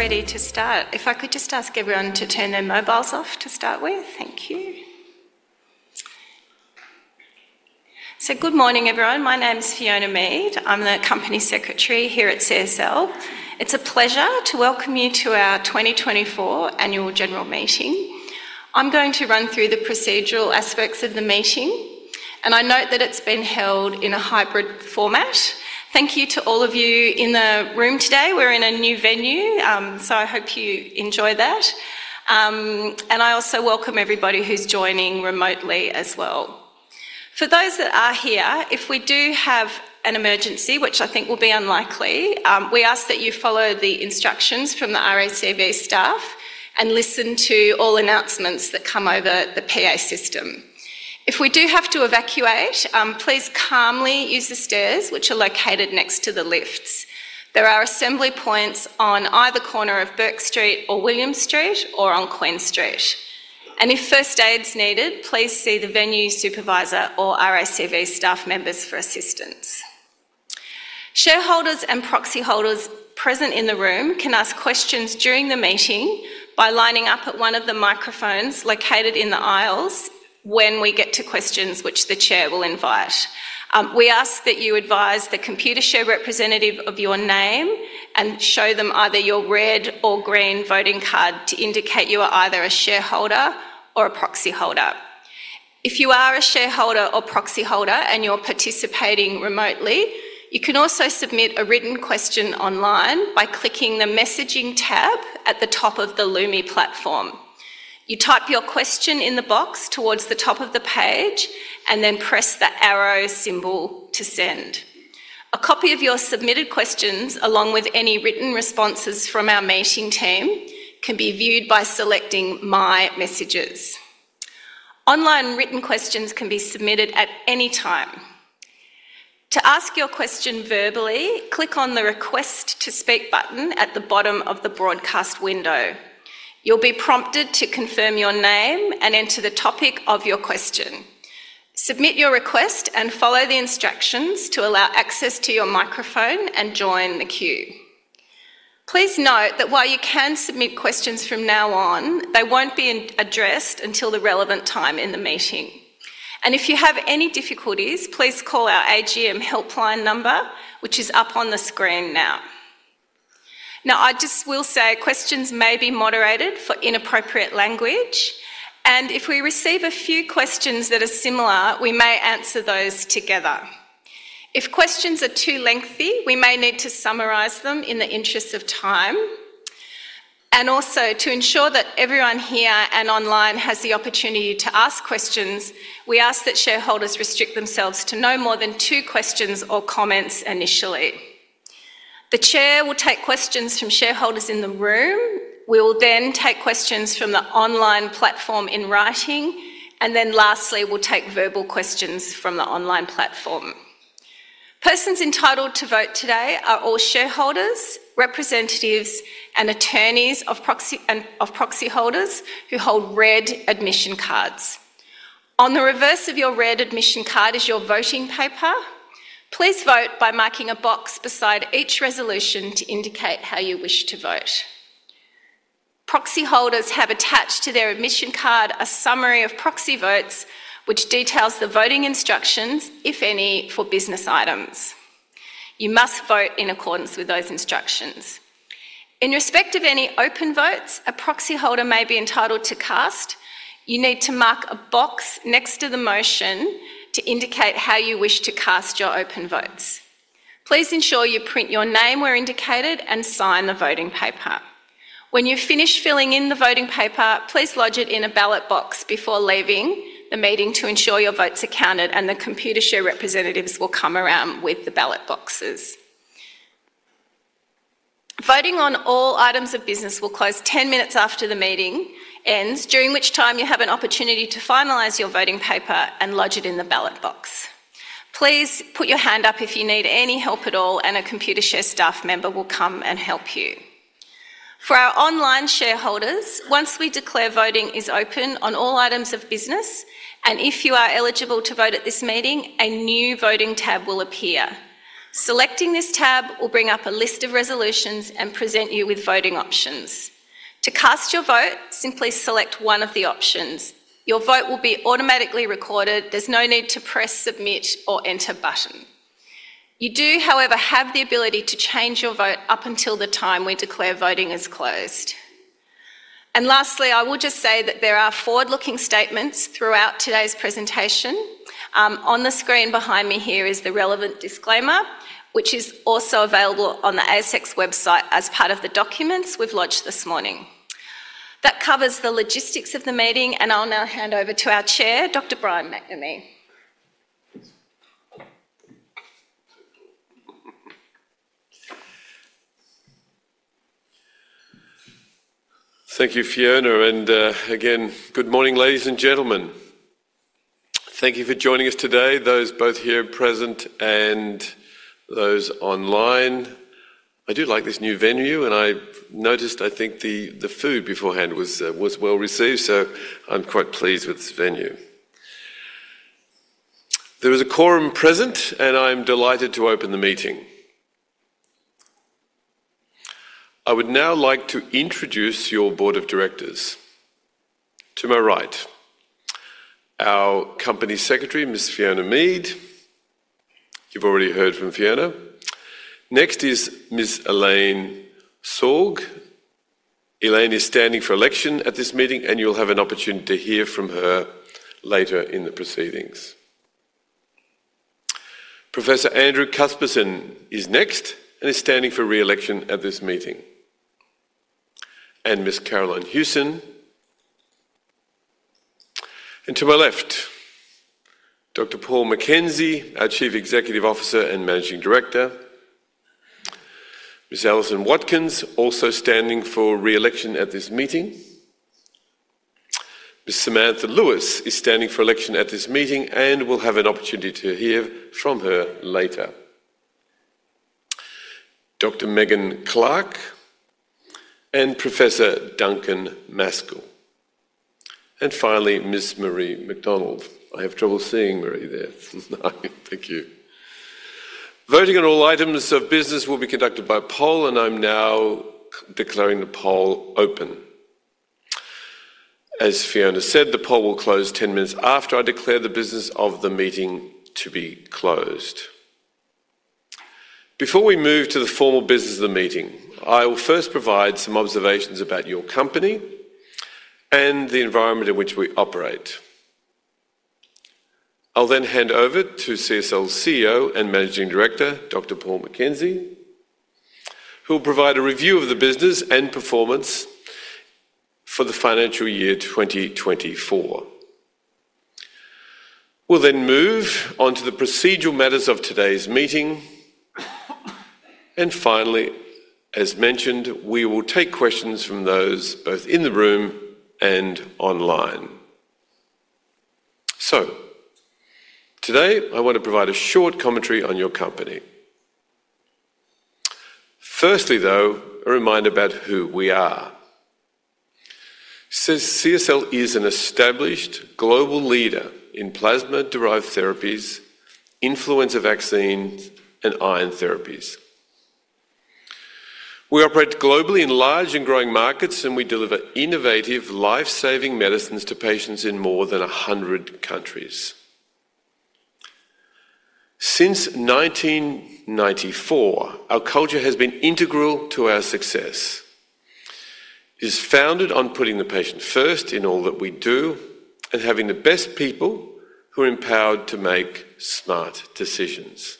We're ready to start. If I could just ask everyone to turn their mobiles off to start with. Thank you. So good morning, everyone. My name's Fiona Mead. I'm the Company Secretary here at CSL. It's a pleasure to welcome you to our twenty twenty-four annual general meeting. I'm going to run through the procedural aspects of the meeting, and I note that it's being held in a hybrid format. Thank you to all of you in the room today. We're in a new venue, so I hope you enjoy that. And I also welcome everybody who's joining remotely as well. For those that are here, if we do have an emergency, which I think will be unlikely, we ask that you follow the instructions from the RACV staff and listen to all announcements that come over the PA system. If we do have to evacuate, please calmly use the stairs, which are located next to the lifts. There are assembly points on either corner of Bourke Street or William Street or on Queen Street, and if first aid's needed, please see the venue supervisor or RACV staff members for assistance. Shareholders and proxy holders present in the room can ask questions during the meeting by lining up at one of the microphones located in the aisles when we get to questions, which the chair will invite. We ask that you advise the Computershare representative of your name and show them either your red or green voting card to indicate you are either a shareholder or a proxyholder. If you are a shareholder or proxyholder and you're participating remotely, you can also submit a written question online by clicking the messaging tab at the top of the Lumi Platform. You type your question in the box towards the top of the page and then press the arrow symbol to send. A copy of your submitted questions, along with any written responses from our meeting team, can be viewed by selecting My Messages. Online written questions can be submitted at any time. To ask your question verbally, click on the Request to Speak button at the bottom of the broadcast window. You'll be prompted to confirm your name and enter the topic of your question. Submit your request, and follow the instructions to allow access to your microphone and join the queue. Please note that while you can submit questions from now on, they won't be addressed until the relevant time in the meeting, and if you have any difficulties, please call our AGM helpline number, which is up on the screen now. Now, I just will say, questions may be moderated for inappropriate language, and if we receive a few questions that are similar, we may answer those together. If questions are too lengthy, we may need to summarize them in the interest of time, and also, to ensure that everyone here and online has the opportunity to ask questions, we ask that shareholders restrict themselves to no more than two questions or comments initially. The chair will take questions from shareholders in the room. We will then take questions from the online platform in writing, and then lastly, we'll take verbal questions from the online platform. Persons entitled to vote today are all shareholders, representatives, and attorneys, proxies and proxyholders who hold red admission cards. On the reverse of your red admission card is your voting paper. Please vote by marking a box beside each resolution to indicate how you wish to vote. Proxyholders have attached to their admission card a summary of proxy votes, which details the voting instructions, if any, for business items. You must vote in accordance with those instructions. In respect of any open votes a proxyholder may be entitled to cast, you need to mark a box next to the motion to indicate how you wish to cast your open votes. Please ensure you print your name where indicated and sign the voting paper. When you've finished filling in the voting paper, please lodge it in a ballot box before leaving the meeting to ensure your vote's counted, and the Computershare representatives will come around with the ballot boxes. Voting on all items of business will close ten minutes after the meeting ends, during which time you have an opportunity to finalize your voting paper and lodge it in the ballot box. Please put your hand up if you need any help at all, and a Computershare staff member will come and help you. For our online shareholders, once we declare voting is open on all items of business, and if you are eligible to vote at this meeting, a new Voting tab will appear. Selecting this tab will bring up a list of resolutions and present you with voting options. To cast your vote, simply select one of the options. Your vote will be automatically recorded. There's no need to press Submit or Enter button. You do, however, have the ability to change your vote up until the time we declare voting is closed. And lastly, I will just say that there are forward-looking statements throughout today's presentation. On the screen behind me here is the relevant disclaimer, which is also available on the ASX website as part of the documents we've lodged this morning. That covers the logistics of the meeting, and I'll now hand over to our chair, Dr. Brian McNamee. Thank you, Fiona, and again, good morning, ladies and gentlemen. Thank you for joining us today, those both here present and those online. I do like this new venue, and I've noticed, I think, the food beforehand was well-received, so I'm quite pleased with this venue. There is a quorum present, and I'm delighted to open the meeting. I would now like to introduce your board of directors. To my right, our Company Secretary, Ms. Fiona Mead. You've already heard from Fiona. Next is Ms. Elaine Sorg. Elaine is standing for election at this meeting, and you'll have an opportunity to hear from her later in the proceedings. Professor Andrew Cuthbertson is next and is standing for re-election at this meeting, and Ms. Carolyn Hewson. And to my left, Dr. Paul McKenzie, our Chief Executive Officer and Managing Director. Ms. Alison Watkins, also standing for re-election at this meeting. Ms. Samantha Lewis is standing for election at this meeting, and we'll have an opportunity to hear from her later. Dr. Megan Clarke and Professor Duncan Maskell, and finally, Ms. Marie McDonald. I have trouble seeing Marie there. Thank you. Voting on all items of business will be conducted by poll, and I'm now declaring the poll open. As Fiona said, the poll will close ten minutes after I declare the business of the meeting to be closed. Before we move to the formal business of the meeting, I will first provide some observations about your company and the environment in which we operate. I'll then hand over to CSL's CEO and Managing Director, Dr. Paul McKenzie, who will provide a review of the business and performance for the financial year twenty twenty-four. We'll then move on to the procedural matters of today's meeting. And finally, as mentioned, we will take questions from those both in the room and online. So today, I want to provide a short commentary on your company. Firstly, though, a reminder about who we are. CSL is an established global leader in plasma-derived therapies, influenza vaccines, and iron therapies. We operate globally in large and growing markets, and we deliver innovative, life-saving medicines to patients in more than a hundred countries. Since 1994, our culture has been integral to our success. It is founded on putting the patient first in all that we do and having the best people who are empowered to make smart decisions.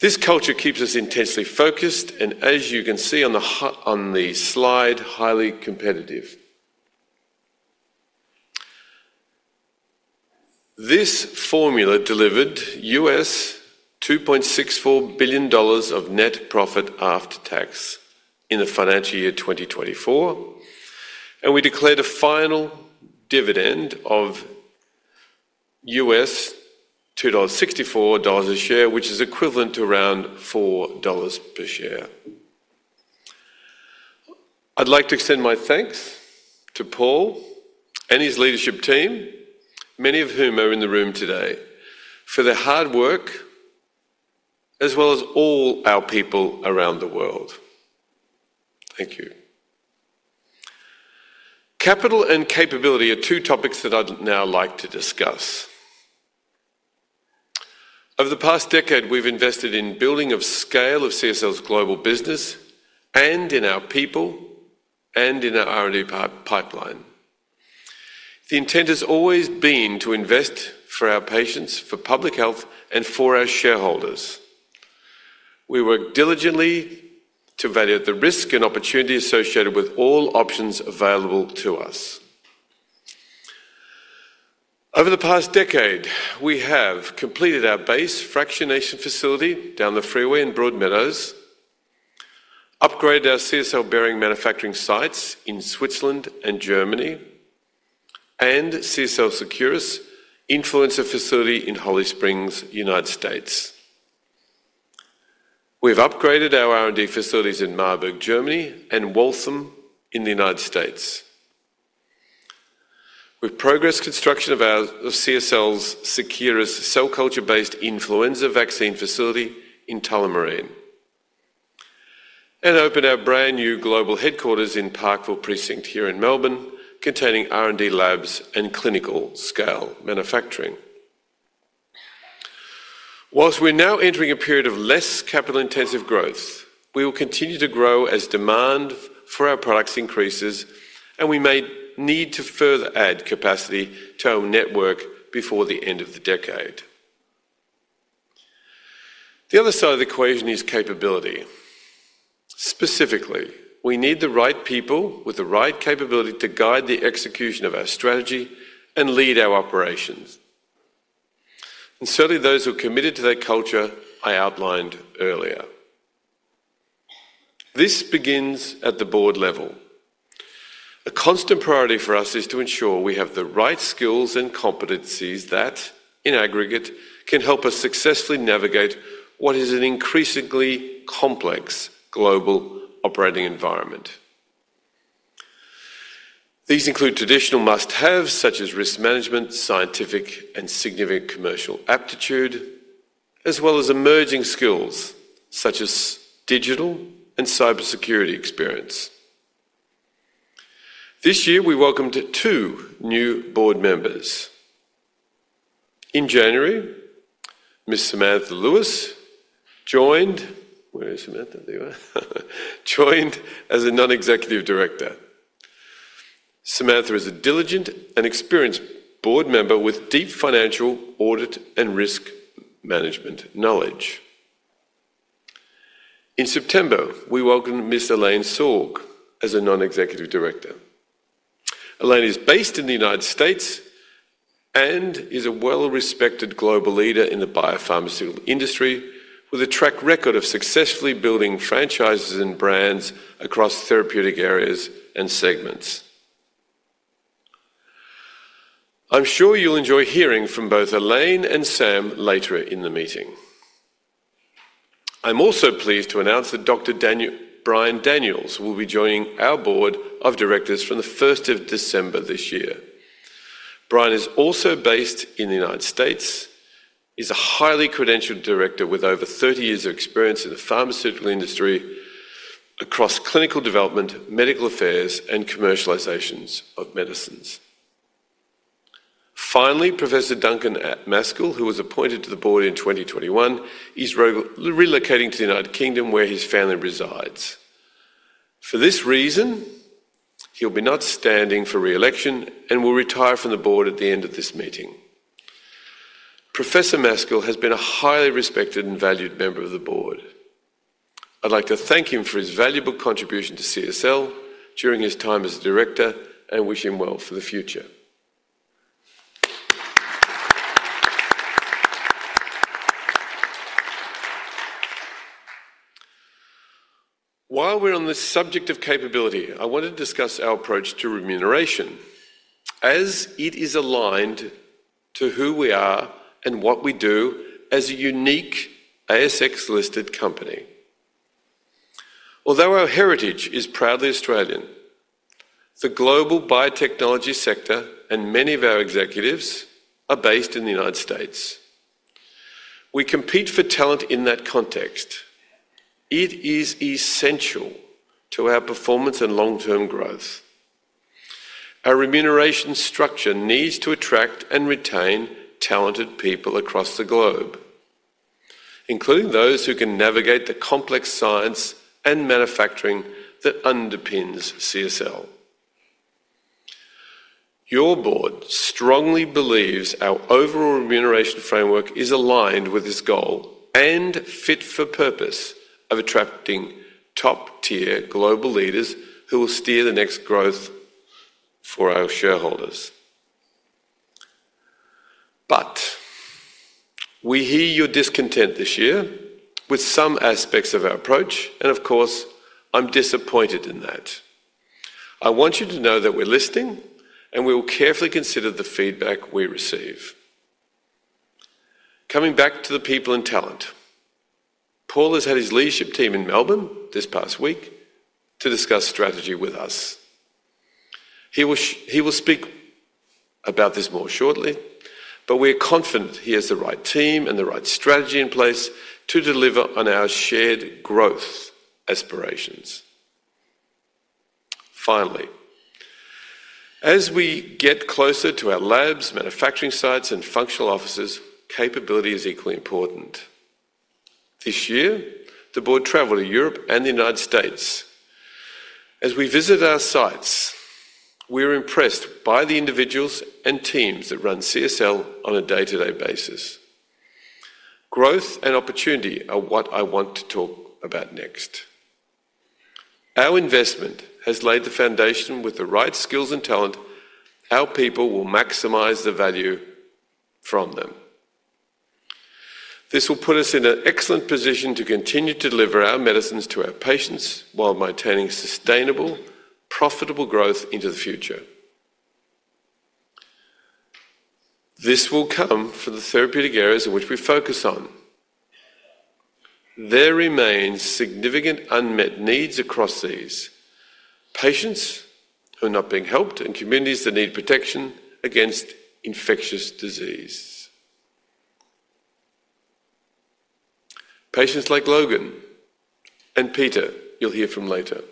This culture keeps us intensely focused, and as you can see on the slide, highly competitive. This formula delivered $2.64 billion of net profit after tax in the financial year 2024, and we declared a final dividend of $2.64 a share, which is equivalent to around 4 dollars per share. I'd like to extend my thanks to Paul and his leadership team, many of whom are in the room today, for their hard work, as well as all our people around the world. Thank you. Capital and capability are two topics that I'd now like to discuss. Over the past decade, we've invested in building of scale of CSL's global business and in our people and in our R&D pipeline. The intent has always been to invest for our patients, for public health, and for our shareholders. We work diligently to evaluate the risk and opportunity associated with all options available to us. Over the past decade, we have completed our base fractionation facility down the freeway in Broadmeadows, upgraded our CSL Behring manufacturing sites in Switzerland and Germany, and CSL Seqirus Influenza Facility in Holly Springs, United States. We've upgraded our R&D facilities in Marburg, Germany, and Waltham in the United States. We've progressed construction of CSL's Seqirus cell culture-based influenza vaccine facility in Tullamarine and opened our brand-new global headquarters in Parkville Precinct here in Melbourne, containing R&D labs and clinical scale manufacturing. Whilst we're now entering a period of less capital-intensive growth, we will continue to grow as demand for our products increases, and we may need to further add capacity to our network before the end of the decade. The other side of the equation is capability. Specifically, we need the right people with the right capability to guide the execution of our strategy and lead our operations, and certainly those who are committed to that culture I outlined earlier. This begins at the board level. A constant priority for us is to ensure we have the right skills and competencies that, in aggregate, can help us successfully navigate what is an increasingly complex global operating environment. These include traditional must-haves, such as risk management, scientific, and significant commercial aptitude, as well as emerging skills, such as digital and cybersecurity experience. This year, we welcomed two new board members. In January, Ms. Samantha Lewis joined. Where is Samantha? There you are. Joined as a non-executive director. Samantha is a diligent and experienced board member with deep financial, audit, and risk management knowledge. In September, we welcomed Ms. Elaine Sorg as a non-executive director. Elaine is based in the United States and is a well-respected global leader in the biopharmaceutical industry, with a track record of successfully building franchises and brands across therapeutic areas and segments. I'm sure you'll enjoy hearing from both Elaine and Sam later in the meeting. I'm also pleased to announce that Dr. Brian Daniels will be joining our board of directors from the first of December this year. Brian is also based in the United States, is a highly credentialed director with over 30 years of experience in the pharmaceutical industry across clinical development, medical affairs, and commercializations of medicines. Finally, Professor Duncan Maskell, who was appointed to the board in 2021, is relocating to the United Kingdom, where his family resides. For this reason, he'll be not standing for re-election and will retire from the board at the end of this meeting. Professor Maskell has been a highly respected and valued member of the board. I'd like to thank him for his valuable contribution to CSL during his time as a director and wish him well for the future. While we're on the subject of capability, I want to discuss our approach to remuneration, as it is aligned to who we are and what we do as a unique ASX-listed company. Although our heritage is proudly Australian, the global biotechnology sector and many of our executives are based in the United States. We compete for talent in that context. It is essential to our performance and long-term growth. Our remuneration structure needs to attract and retain talented people across the globe, including those who can navigate the complex science and manufacturing that underpins CSL. Your board strongly believes our overall remuneration framework is aligned with this goal and fit for purpose of attracting top-tier global leaders who will steer the next growth for our shareholders. But we hear your discontent this year with some aspects of our approach, and of course, I'm disappointed in that. I want you to know that we're listening, and we will carefully consider the feedback we receive. Coming back to the people and talent, Paul has had his leadership team in Melbourne this past week to discuss strategy with us. He will speak about this more shortly, but we're confident he has the right team and the right strategy in place to deliver on our shared growth aspirations. Finally, as we get closer to our labs, manufacturing sites, and functional offices, capability is equally important. This year, the board traveled to Europe and the United States. As we visit our sites, we're impressed by the individuals and teams that run CSL on a day-to-day basis. Growth and opportunity are what I want to talk about next. Our investment has laid the foundation with the right skills and talent, our people will maximize the value from them. This will put us in an excellent position to continue to deliver our medicines to our patients while maintaining sustainable, profitable growth into the future. This will come from the therapeutic areas in which we focus on. There remains significant unmet needs across these patients who are not being helped, and communities that need protection against infectious disease. Patients like Logan and Peter, you'll hear from later.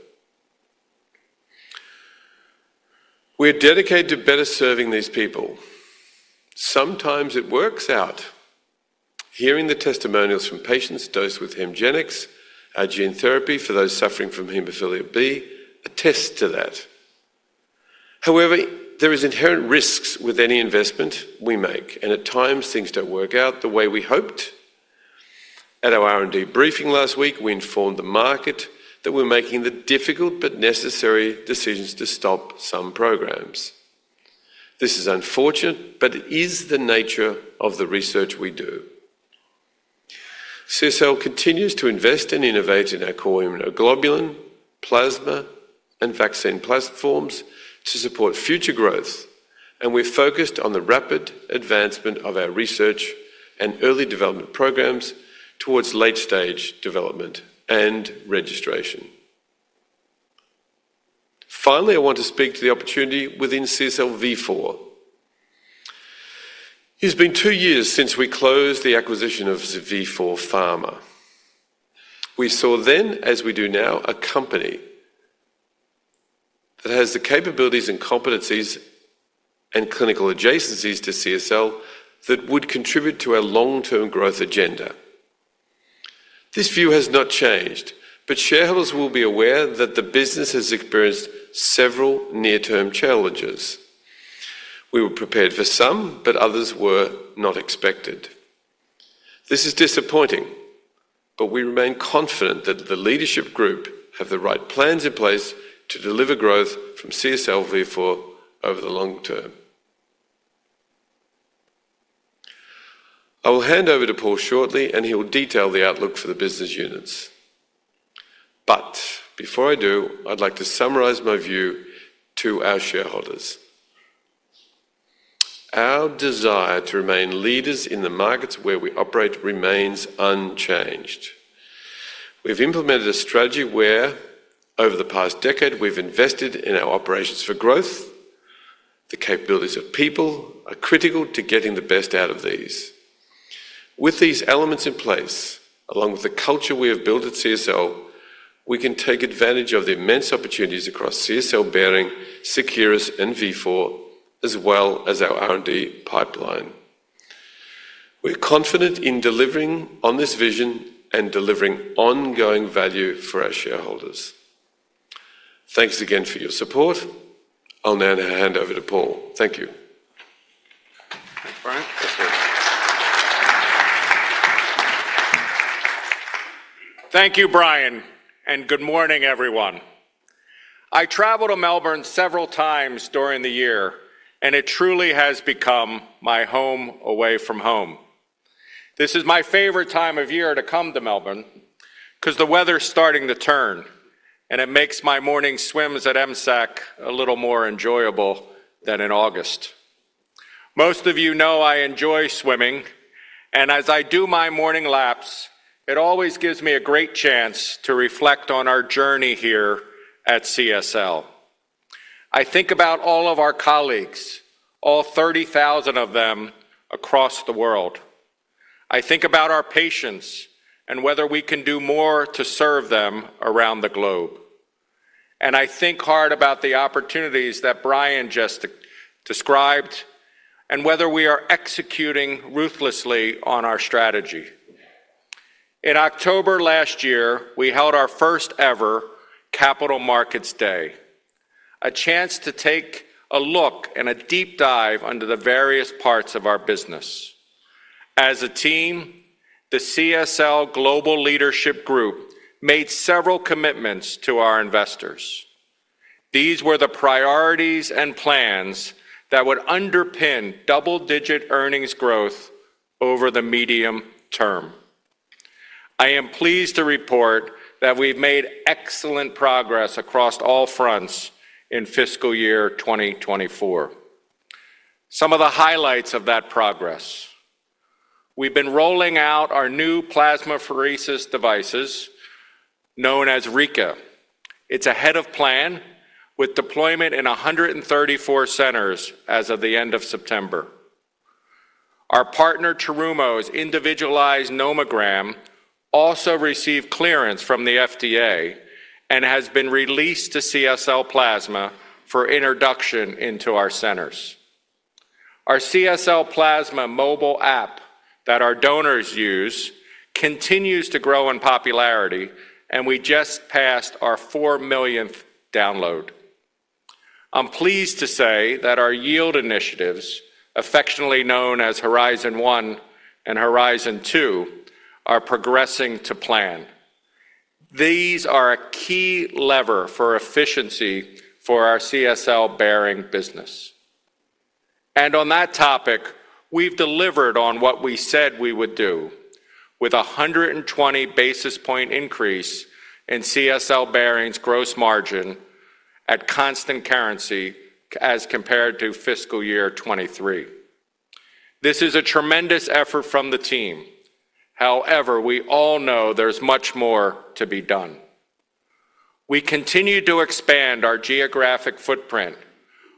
We're dedicated to better serving these people. Sometimes it works out. Hearing the testimonials from patients dosed with Hemgenix, our gene therapy for those suffering from hemophilia B, attest to that. However, there is inherent risk with any investment we make, and at times, things don't work out the way we hoped. At our R&D briefing last week, we informed the market that we're making the difficult but necessary decisions to stop some programs. This is unfortunate, but it is the nature of the research we do. CSL continues to invest and innovate in our core immunoglobulin, plasma, and vaccine platforms to support future growth and we're focused on the rapid advancement of our research and early development programs towards late-stage development and registration. Finally, I want to speak to the opportunity within CSL Vifor. It's been two years since we closed the acquisition of Vifor Pharma. We saw then, as we do now, a company that has the capabilities and competencies and clinical adjacencies to CSL that would contribute to our long-term growth agenda. This view has not changed, but shareholders will be aware that the business has experienced several near-term challenges. We were prepared for some, but others were not expected. This is disappointing, but we remain confident that the leadership group have the right plans in place to deliver growth from CSL Vifor over the long term. I will hand over to Paul shortly, and he will detail the outlook for the business units. But before I do, I'd like to summarize my view to our shareholders. Our desire to remain leaders in the markets where we operate remains unchanged. We've implemented a strategy where, over the past decade, we've invested in our operations for growth. The capabilities of people are critical to getting the best out of these. With these elements in place, along with the culture we have built at CSL, we can take advantage of the immense opportunities across CSL Behring, Seqirus, and Vifor, as well as our R&D pipeline. We're confident in delivering on this vision and delivering ongoing value for our shareholders. Thanks again for your support. I'll now hand over to Paul. Thank you. Thanks, Brian. Thank you. Thank you, Brian, and good morning, everyone. I traveled to Melbourne several times during the year, and it truly has become my home away from home. This is my favorite time of year to come to Melbourne 'cause the weather's starting to turn, and it makes my morning swims at MSAC a little more enjoyable than in August. Most of you know I enjoy swimming, and as I do my morning laps, it always gives me a great chance to reflect on our journey here at CSL. I think about all of our colleagues, all thirty thousand of them across the world. I think about our patients and whether we can do more to serve them around the globe. I think hard about the opportunities that Brian just described, and whether we are executing ruthlessly on our strategy. In October last year, we held our first-ever Capital Markets Day, a chance to take a look and a deep dive into the various parts of our business. As a team, the CSL Global Leadership Group made several commitments to our investors. These were the priorities and plans that would underpin double-digit earnings growth over the medium term. I am pleased to report that we've made excellent progress across all fronts in fiscal year 2024. Some of the highlights of that progress: We've been rolling out our new plasmapheresis devices, known as Rika. It's ahead of plan, with deployment in 134 centers as of the end of September. Our partner Terumo's individualized nomogram also received clearance from the FDA and has been released to CSL Plasma for introduction into our centers. Our CSL Plasma mobile app that our donors use continues to grow in popularity, and we just passed our four millionth download. I'm pleased to say that our yield initiatives, affectionately known as Horizon One and Horizon Two, are progressing to plan. These are a key lever for efficiency for our CSL Behring business. And on that topic, we've delivered on what we said we would do, with a 120 basis point increase in CSL Behring's gross margin at constant currency as compared to fiscal year 2023. This is a tremendous effort from the team. However, we all know there's much more to be done. We continue to expand our geographic footprint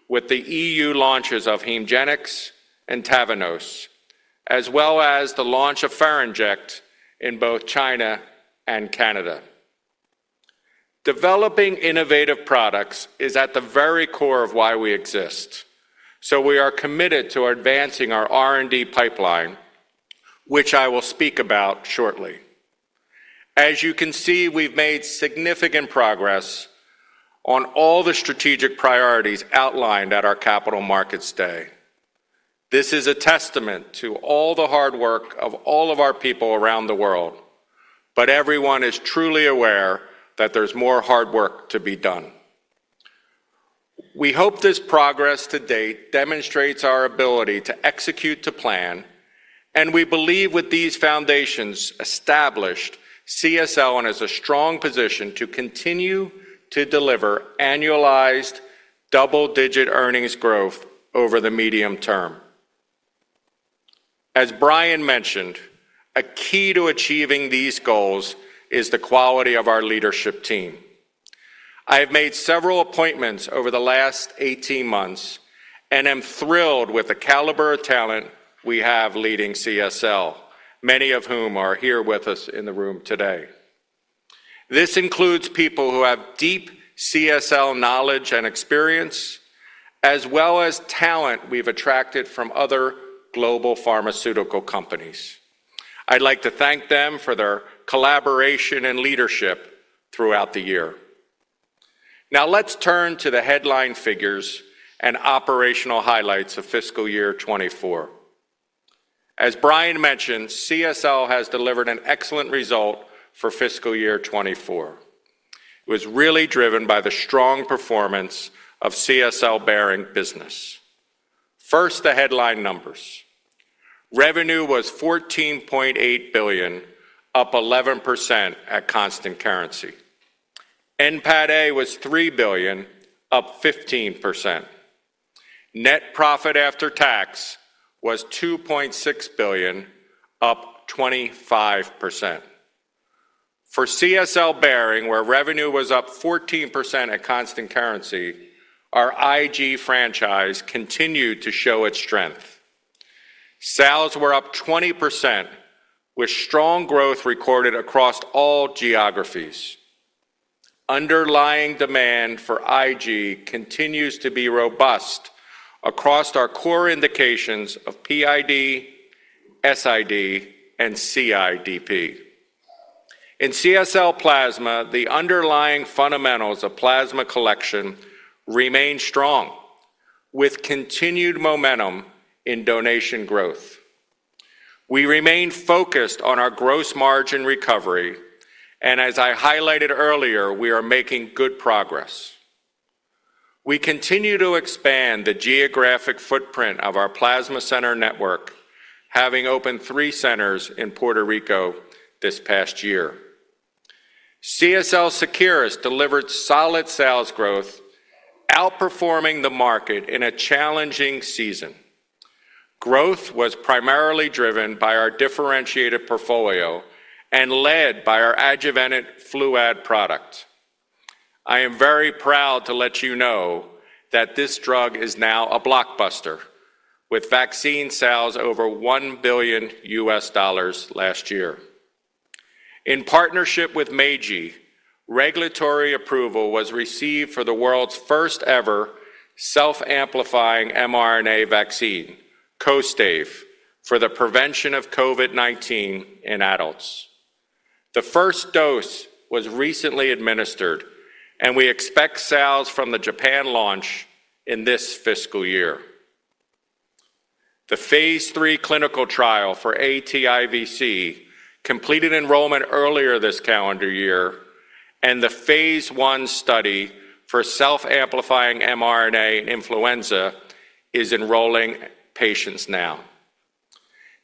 with the EU launches of Hemgenix and Tavneos, as well as the launch of Ferinject in both China and Canada. Developing innovative products is at the very core of why we exist, so we are committed to advancing our R&D pipeline, which I will speak about shortly. As you can see, we've made significant progress on all the strategic priorities outlined at our Capital Markets Day. This is a testament to all the hard work of all of our people around the world, but everyone is truly aware that there's more hard work to be done. We hope this progress to date demonstrates our ability to execute to plan, and we believe, with these foundations established, CSL is in a strong position to continue to deliver annualized double-digit earnings growth over the medium term.... As Brian mentioned, a key to achieving these goals is the quality of our leadership team. I have made several appointments over the last eighteen months, and am thrilled with the caliber of talent we have leading CSL, many of whom are here with us in the room today. This includes people who have deep CSL knowledge and experience, as well as talent we've attracted from other global pharmaceutical companies. I'd like to thank them for their collaboration and leadership throughout the year. Now, let's turn to the headline figures and operational highlights of fiscal year 2024. As Brian mentioned, CSL has delivered an excellent result for fiscal year 2024. It was really driven by the strong performance of CSL Behring business. First, the headline numbers. Revenue was 14.8 billion, up 11% at constant currency. NPATA was AUD 3 billion, up 15%. Net profit after tax was 2.6 billion, up 25%. For CSL Behring, where revenue was up 14% at constant currency, our IG franchise continued to show its strength. Sales were up 20%, with strong growth recorded across all geographies. Underlying demand for IG continues to be robust across our core indications of PID, SID, and CIDP. In CSL Plasma, the underlying fundamentals of plasma collection remain strong, with continued momentum in donation growth. We remain focused on our gross margin recovery, and as I highlighted earlier, we are making good progress. We continue to expand the geographic footprint of our plasma center network, having opened three centers in Puerto Rico this past year. CSL Seqirus delivered solid sales growth, outperforming the market in a challenging season. Growth was primarily driven by our differentiated portfolio and led by our adjuvanted Fluad product. I am very proud to let you know that this drug is now a blockbuster, with vaccine sales over $1 billion last year. In partnership with Meiji, regulatory approval was received for the world's first-ever self-amplifying mRNA vaccine, Kostaive, for the prevention of COVID-19 in adults. The first dose was recently administered, and we expect sales from the Japan launch in this fiscal year. The phase III clinical trial for aTIVc completed enrollment earlier this calendar year, and the phase I study for self-amplifying mRNA in influenza is enrolling patients now.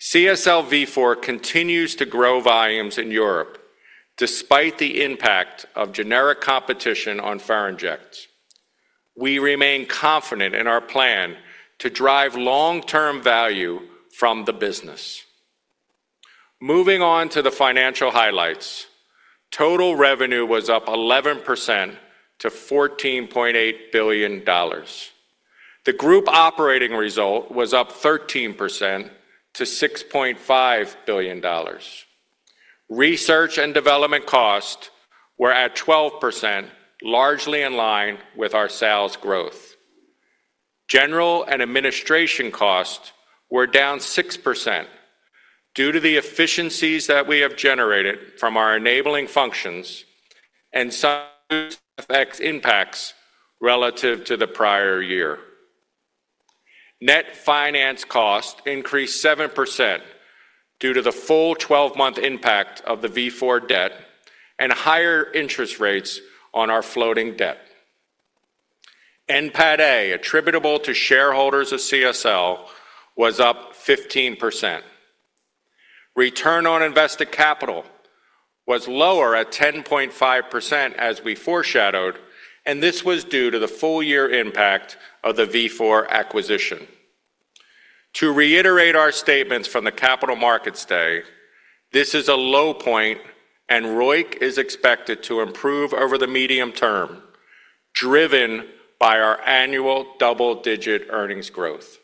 CSL Vifor continues to grow volumes in Europe, despite the impact of generic competition on Ferinject. We remain confident in our plan to drive long-term value from the business. Moving on to the financial highlights, total revenue was up 11%-$14.8 billion. The group operating result was up 13% to $6.5 billion. Research and development costs were at 12%, largely in line with our sales growth. General and administration costs were down 6% due to the efficiencies that we have generated from our enabling functions and some FX impacts relative to the prior year. Net finance costs increased 7% due to the full 12-month impact of the Vifor debt and higher interest rates on our floating debt. NPATA, attributable to shareholders of CSL, was up 15%. Return on invested capital was lower at 10.5%, as we foreshadowed, and this was due to the full year impact of the Vifor acquisition. To reiterate our statements from the capital markets day, this is a low point, and ROIC is expected to improve over the medium term, driven by our annual double-digit earnings growth.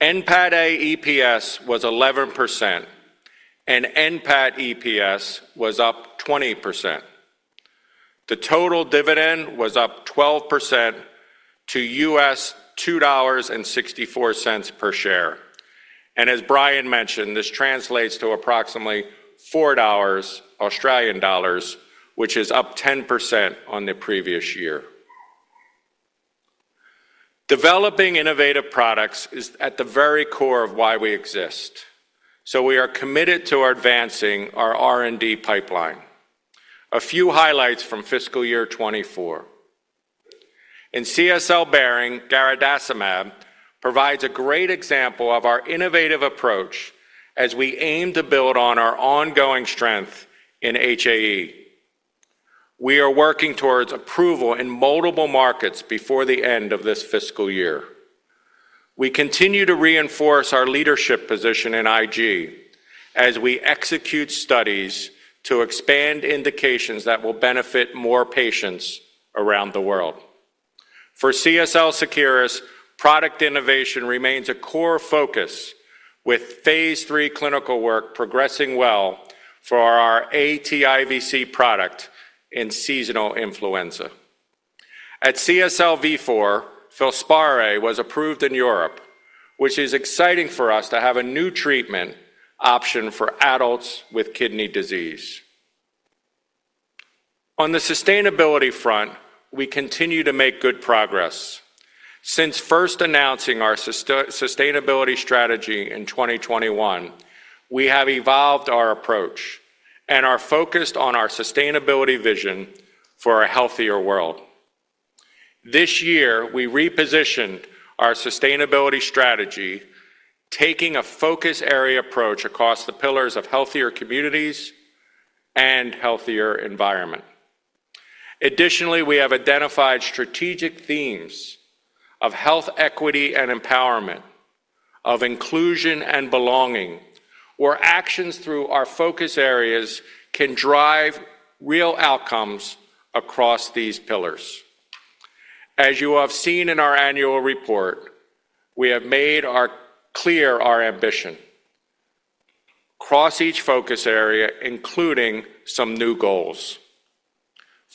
NPATA EPS was 11%, and NPAT EPS was up 20%. The total dividend was up 12% to $2.64 per share. And as Brian mentioned, this translates to approximately 4 Australian dollars, which is up 10% on the previous year. Developing innovative products is at the very core of why we exist, so we are committed to advancing our R&D pipeline. A few highlights from fiscal year 2024. In CSL Behring, garadacimab provides a great example of our innovative approach as we aim to build on our ongoing strength in HAE.... We are working towards approval in multiple markets before the end of this fiscal year. We continue to reinforce our leadership position in IG as we execute studies to expand indications that will benefit more patients around the world. For CSL Seqirus, product innovation remains a core focus, with phase III clinical work progressing well for our aTIVc product in seasonal influenza. At CSL Vifor, Filspari was approved in Europe, which is exciting for us to have a new treatment option for adults with kidney disease. On the sustainability front, we continue to make good progress. Since first announcing our sustainability strategy in 2021, we have evolved our approach and are focused on our sustainability vision for a healthier world. This year, we repositioned our sustainability strategy, taking a focus area approach across the pillars of healthier communities and healthier environment. Additionally, we have identified strategic themes of health equity and empowerment, of inclusion and belonging, where actions through our focus areas can drive real outcomes across these pillars. As you have seen in our annual report, we have made clear our ambition across each focus area, including some new goals.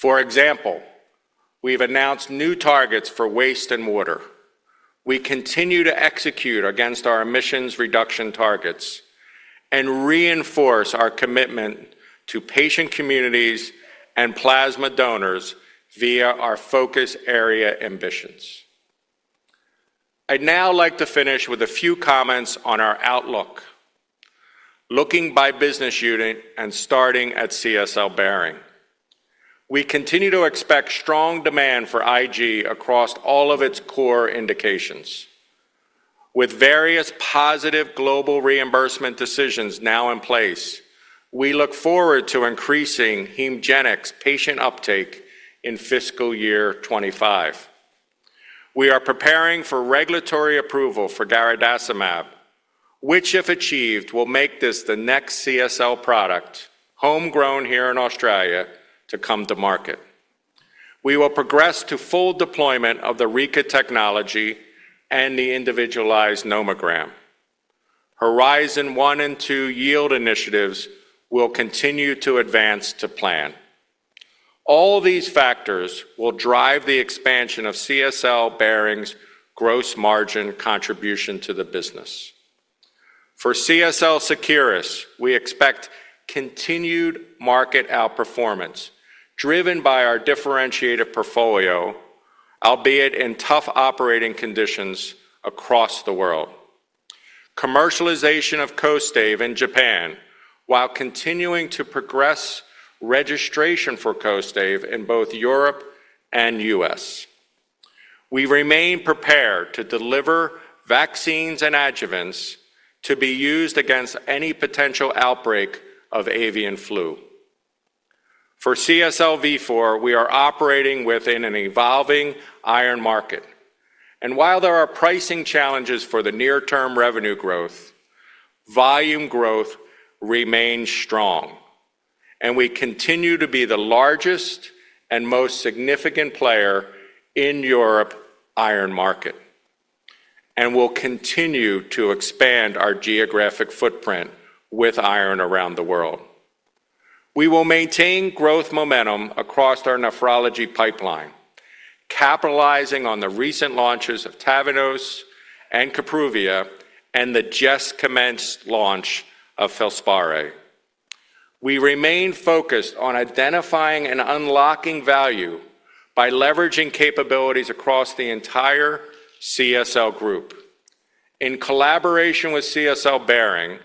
For example, we've announced new targets for waste and water. We continue to execute against our emissions reduction targets and reinforce our commitment to patient communities and plasma donors via our focus area ambitions. I'd now like to finish with a few comments on our outlook. Looking by business unit and starting at CSL Behring. We continue to expect strong demand for IG across all of its core indications. With various positive global reimbursement decisions now in place, we look forward to increasing Hemgenix patient uptake in fiscal year 2025. We are preparing for regulatory approval for garadacimab, which, if achieved, will make this the next CSL product, homegrown here in Australia, to come to market. We will progress to full deployment of the ReCa technology and the individualized nomogram. Horizon One and Two yield initiatives will continue to advance to plan. All these factors will drive the expansion of CSL Behring's gross margin contribution to the business. For CSL Seqirus, we expect continued market outperformance, driven by our differentiated portfolio, albeit in tough operating conditions across the world. Commercialization of Kostaive in Japan, while continuing to progress registration for Kostaive in both Europe and U.S. We remain prepared to deliver vaccines and adjuvants to be used against any potential outbreak of avian flu. For CSL Vifor, we are operating within an evolving iron market, and while there are pricing challenges for the near-term revenue growth, volume growth remains strong, and we continue to be the largest and most significant player in Europe iron market, and will continue to expand our geographic footprint with iron around the world. We will maintain growth momentum across our nephrology pipeline, capitalizing on the recent launches of TAVNEOS and Kapruvia, and the just-commenced launch of Filspari. We remain focused on identifying and unlocking value by leveraging capabilities across the entire CSL group. In collaboration with CSL Behring,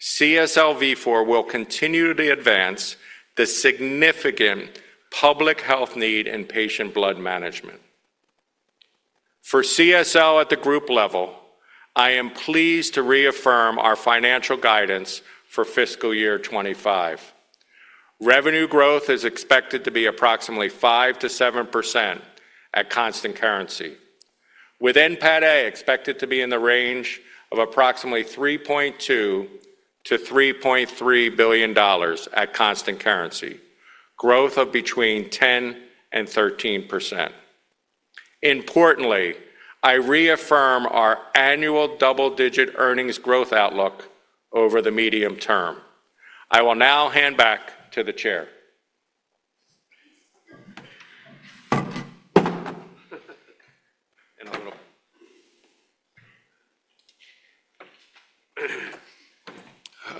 CSL Vifor will continue to advance the significant public health need in patient blood management. For CSL at the group level, I am pleased to reaffirm our financial guidance for fiscal year twenty-five. Revenue growth is expected to be approximately 5-7% at constant currency, with NPATA expected to be in the range of approximately $3.2-$3.3 billion at constant currency, growth of between 10-13%. Importantly, I reaffirm our annual double-digit earnings growth outlook over the medium term. I will now hand back to the chair.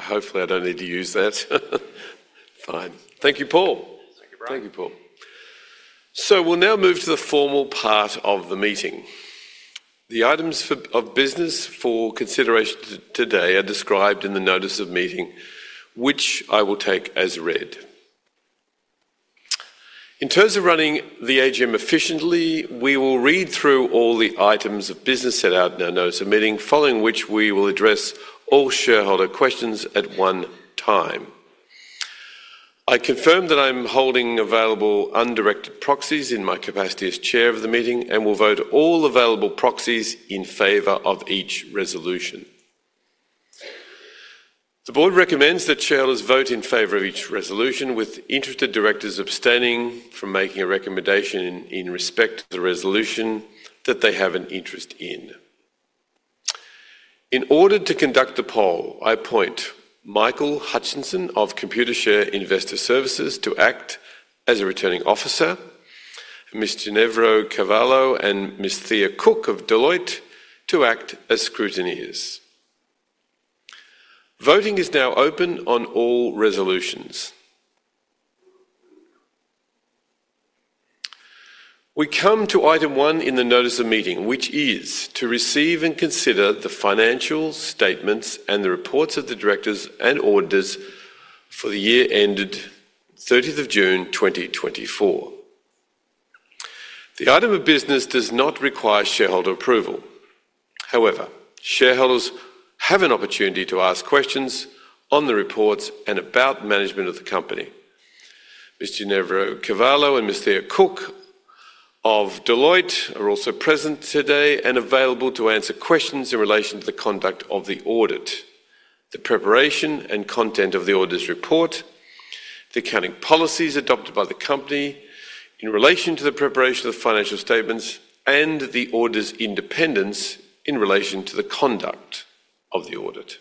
Hopefully, I don't need to use that. Fine. Thank you, Paul. Thank you, Brian. Thank you, Paul. So we'll now move to the formal part of the meeting. The items of business for consideration today are described in the notice of meeting, which I will take as read. In terms of running the AGM efficiently, we will read through all the items of business set out in our notice of meeting, following which we will address all shareholder questions at one time.... I confirm that I'm holding available undirected proxies in my capacity as chair of the meeting, and will vote all available proxies in favor of each resolution. The board recommends that shareholders vote in favor of each resolution, with interested directors abstaining from making a recommendation in respect to the resolution that they have an interest in. In order to conduct the poll, I appoint Michael Hutchinson of Computershare Investor Services to act as a returning officer, Ms. Ginevra Cavallo and Ms. Thea Cook of Deloitte to act as scrutineers. Voting is now open on all resolutions. We come to item one in the notice of meeting, which is to receive and consider the financial statements and the reports of the directors and auditors for the year ended thirtieth of June 2024. The item of business does not require shareholder approval. However, shareholders have an opportunity to ask questions on the reports and about management of the company. Ms. Ginevra Cavallo and Ms. Thea Cook of Deloitte are also present today and available to answer questions in relation to the conduct of the audit, the preparation and content of the auditor's report, the accounting policies adopted by the company in relation to the preparation of the financial statements, and the auditor's independence in relation to the conduct of the audit.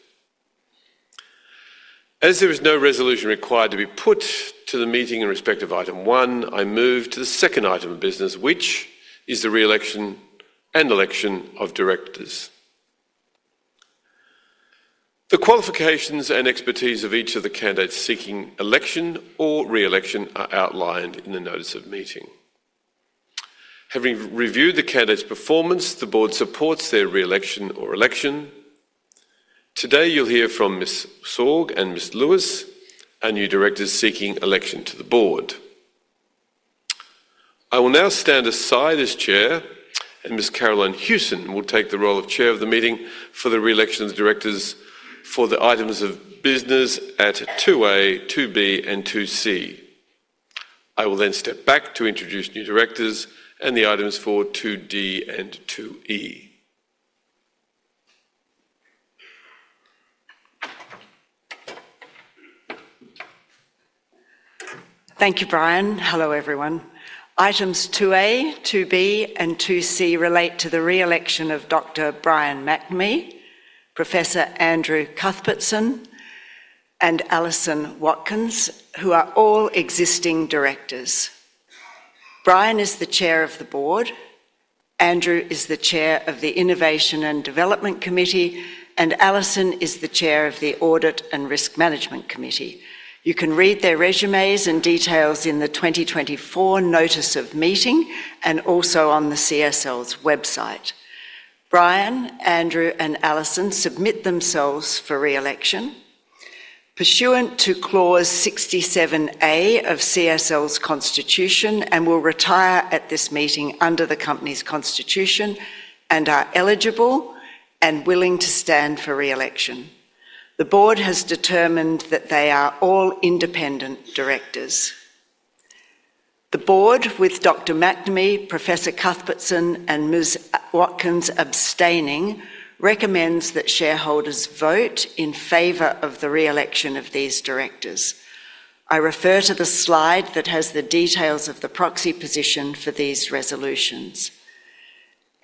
As there is no resolution required to be put to the meeting in respect of item one, I move to the second item of business, which is the re-election and election of directors. The qualifications and expertise of each of the candidates seeking election or re-election are outlined in the notice of meeting. Having reviewed the candidates' performance, the board supports their re-election or election. Today, you'll hear from Ms. Sorg and Ms. Lewis, our new directors seeking election to the board. I will now stand aside as chair, and Ms. Carolyn Hewson will take the role of chair of the meeting for the re-election of the directors for the items of business at two A, two B, and two C. I will then step back to introduce new directors and the items for two D and two E. Thank you, Brian. Hello, everyone. Items 2A, 2B, and 2C relate to the re-election of Dr. Brian McNamee, Professor Andrew Cuthbertson, and Alison Watkins, who are all existing directors. Brian is the chair of the board, Andrew is the chair of the Innovation and Development Committee, and Alison is the chair of the Audit and Risk Management Committee. You can read their resumes and details in the 2024 notice of meeting, and also on CSL's website. Brian, Andrew, and Alison submit themselves for re-election pursuant to Clause 67A of CSL's constitution, and will retire at this meeting under the company's constitution, and are eligible and willing to stand for re-election. The board has determined that they are all independent directors. The board, with Dr. McNamee, Professor Cuthbertson, and Ms. Watkins abstaining, recommends that shareholders vote in favor of the re-election of these directors. I refer to the slide that has the details of the proxy position for these resolutions.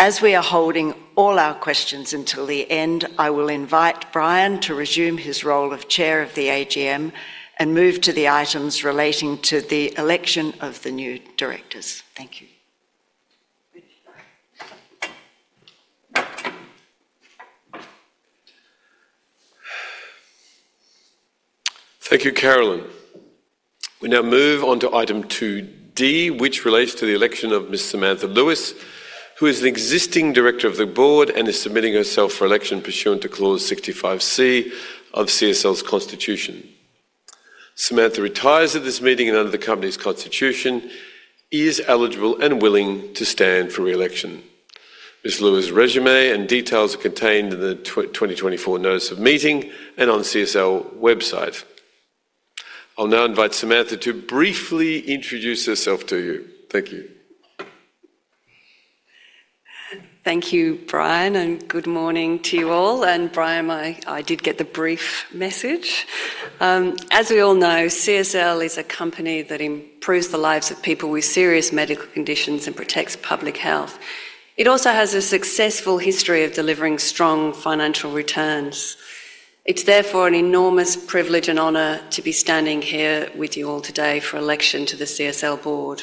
As we are holding all our questions until the end, I will invite Brian to resume his role of chair of the AGM and move to the items relating to the election of the new directors. Thank you. Thank you, Caroline. We now move on to item two D, which relates to the election of Ms. Samantha Lewis, who is an existing director of the board and is submitting herself for election pursuant to Clause 65C of CSL's constitution. Samantha retires at this meeting, and under the company's constitution, is eligible and willing to stand for re-election. Ms. Lewis' resume and details are contained in the twenty twenty-four notice of meeting and on CSL website. I'll now invite Samantha to briefly introduce herself to you. Thank you. Thank you, Brian, and good morning to you all. And Brian, I did get the brief message. As we all know, CSL is a company that improves the lives of people with serious medical conditions and protects public health. It also has a successful history of delivering strong financial returns. It's therefore an enormous privilege and honor to be standing here with you all today for election to the CSL board.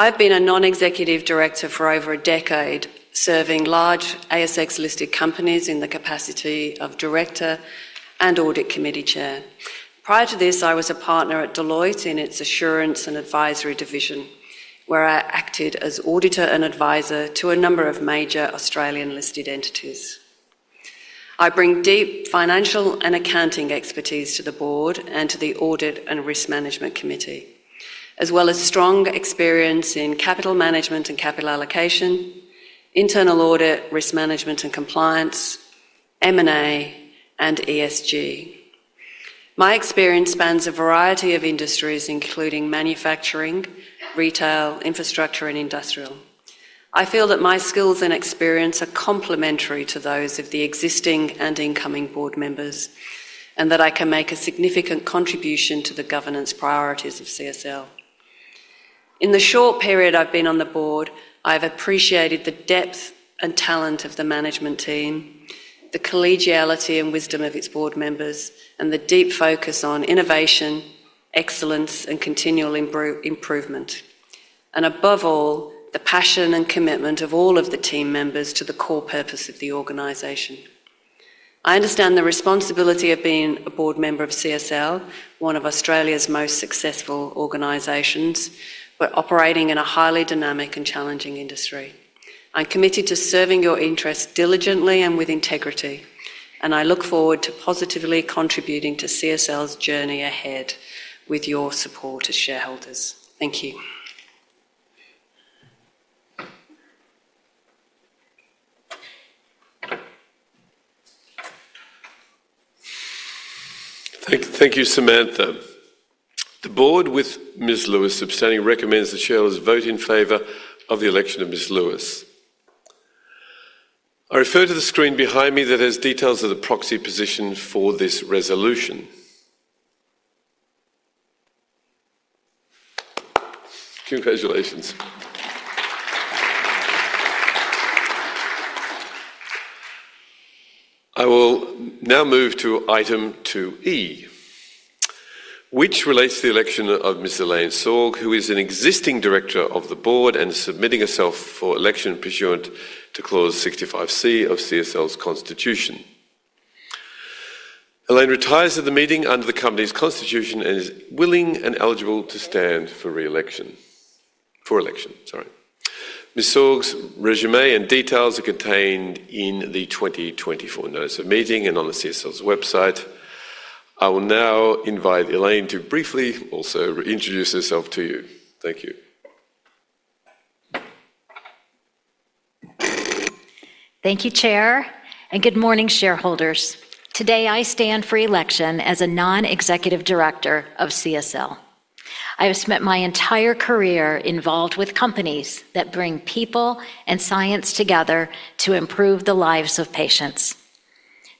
I've been a non-executive director for over a decade, serving large ASX-listed companies in the capacity of director and audit committee chair. Prior to this, I was a partner at Deloitte in its Assurance and Advisory division, where I acted as auditor and advisor to a number of major Australian-listed entities. I bring deep financial and accounting expertise to the board and to the Audit and Risk Management Committee, as well as strong experience in capital management and capital allocation, internal audit, risk management and compliance, M&A, and ESG. My experience spans a variety of industries, including manufacturing, retail, infrastructure, and industrial. I feel that my skills and experience are complementary to those of the existing and incoming board members, and that I can make a significant contribution to the governance priorities of CSL. In the short period I've been on the board, I've appreciated the depth and talent of the management team, the collegiality and wisdom of its board members, and the deep focus on innovation, excellence, and continual improvement. And above all, the passion and commitment of all of the team members to the core purpose of the organization. I understand the responsibility of being a board member of CSL, one of Australia's most successful organizations, but operating in a highly dynamic and challenging industry. I'm committed to serving your interests diligently and with integrity, and I look forward to positively contributing to CSL's journey ahead with your support as shareholders. Thank you. Thank you, Samantha. The board, with Ms. Lewis abstaining, recommends the shareholders vote in favor of the election of Ms. Lewis. I refer to the screen behind me that has details of the proxy position for this resolution. Congratulations. I will now move to item two E, which relates to the election of Ms. Elaine Sorg, who is an existing director of the board and submitting herself for election pursuant to Clause 65C of CSL's constitution. Elaine retires at the meeting under the company's constitution and is willing and eligible to stand for re-election... For election, sorry. Ms. Sorg's resume and details are contained in the twenty twenty-four notice of meeting and on the CSL's website. I will now invite Elaine to briefly also re-introduce herself to you. Thank you. Thank you, Chair, and good morning, shareholders. Today, I stand for election as a non-executive director of CSL. I have spent my entire career involved with companies that bring people and science together to improve the lives of patients.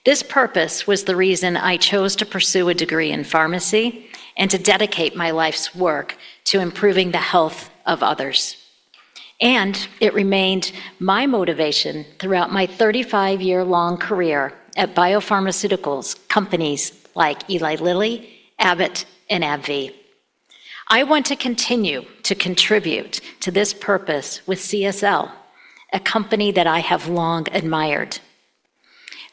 This purpose was the reason I chose to pursue a degree in pharmacy and to dedicate my life's work to improving the health of others, and it remained my motivation throughout my 35 year long career at biopharmaceutical companies like Eli Lilly, Abbott, and AbbVie. I want to continue to contribute to this purpose with CSL, a company that I have long admired.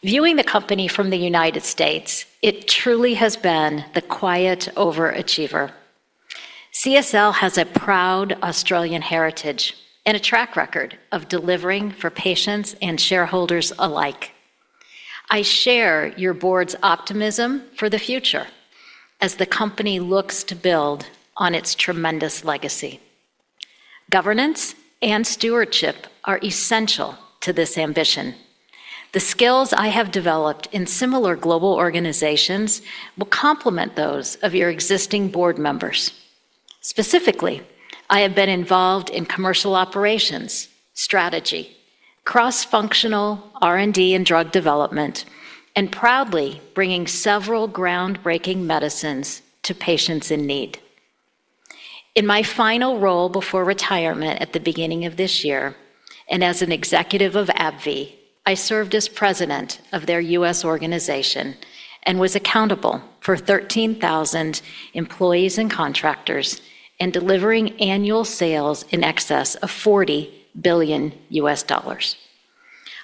Viewing the company from the United States, it truly has been the quiet overachiever. CSL has a proud Australian heritage and a track record of delivering for patients and shareholders alike. I share your board's optimism for the future as the company looks to build on its tremendous legacy. Governance and stewardship are essential to this ambition. The skills I have developed in similar global organizations will complement those of your existing board members. Specifically, I have been involved in commercial operations, strategy, cross-functional R&D and drug development, and proudly bringing several groundbreaking medicines to patients in need. In my final role before retirement at the beginning of this year, and as an executive of AbbVie, I served as president of their U.S. organization and was accountable for 13,000 employees and contractors in delivering annual sales in excess of $40 billion.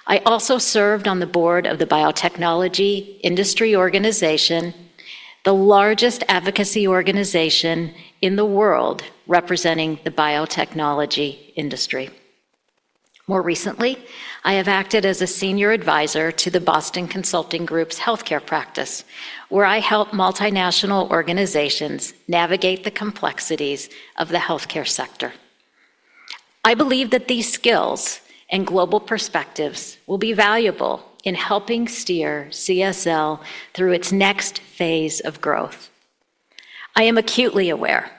I also served on the board of the Biotechnology Industry Organization, the largest advocacy organization in the world representing the biotechnology industry. More recently, I have acted as a senior advisor to the Boston Consulting Group's healthcare practice, where I help multinational organizations navigate the complexities of the healthcare sector. I believe that these skills and global perspectives will be valuable in helping steer CSL through its next phase of growth. I am acutely aware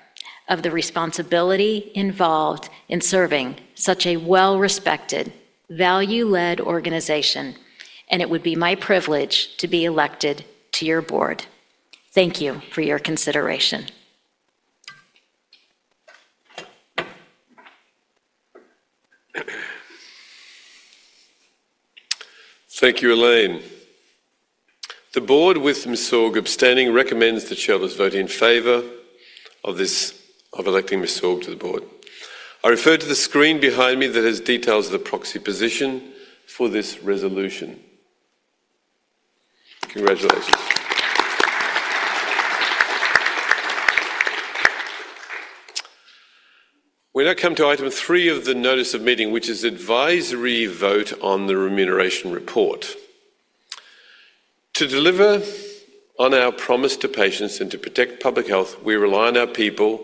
of the responsibility involved in serving such a well-respected, value-led organization, and it would be my privilege to be elected to your board. Thank you for your consideration. Thank you, Elaine. The board, with Ms. Sorg abstaining, recommends the shareholders vote in favor of this, of electing Ms. Sorg to the board. I refer to the screen behind me that has details of the proxy position for this resolution. Congratulations. We now come to item three of the notice of meeting, which is advisory vote on the remuneration report.... To deliver on our promise to patients and to protect public health, we rely on our people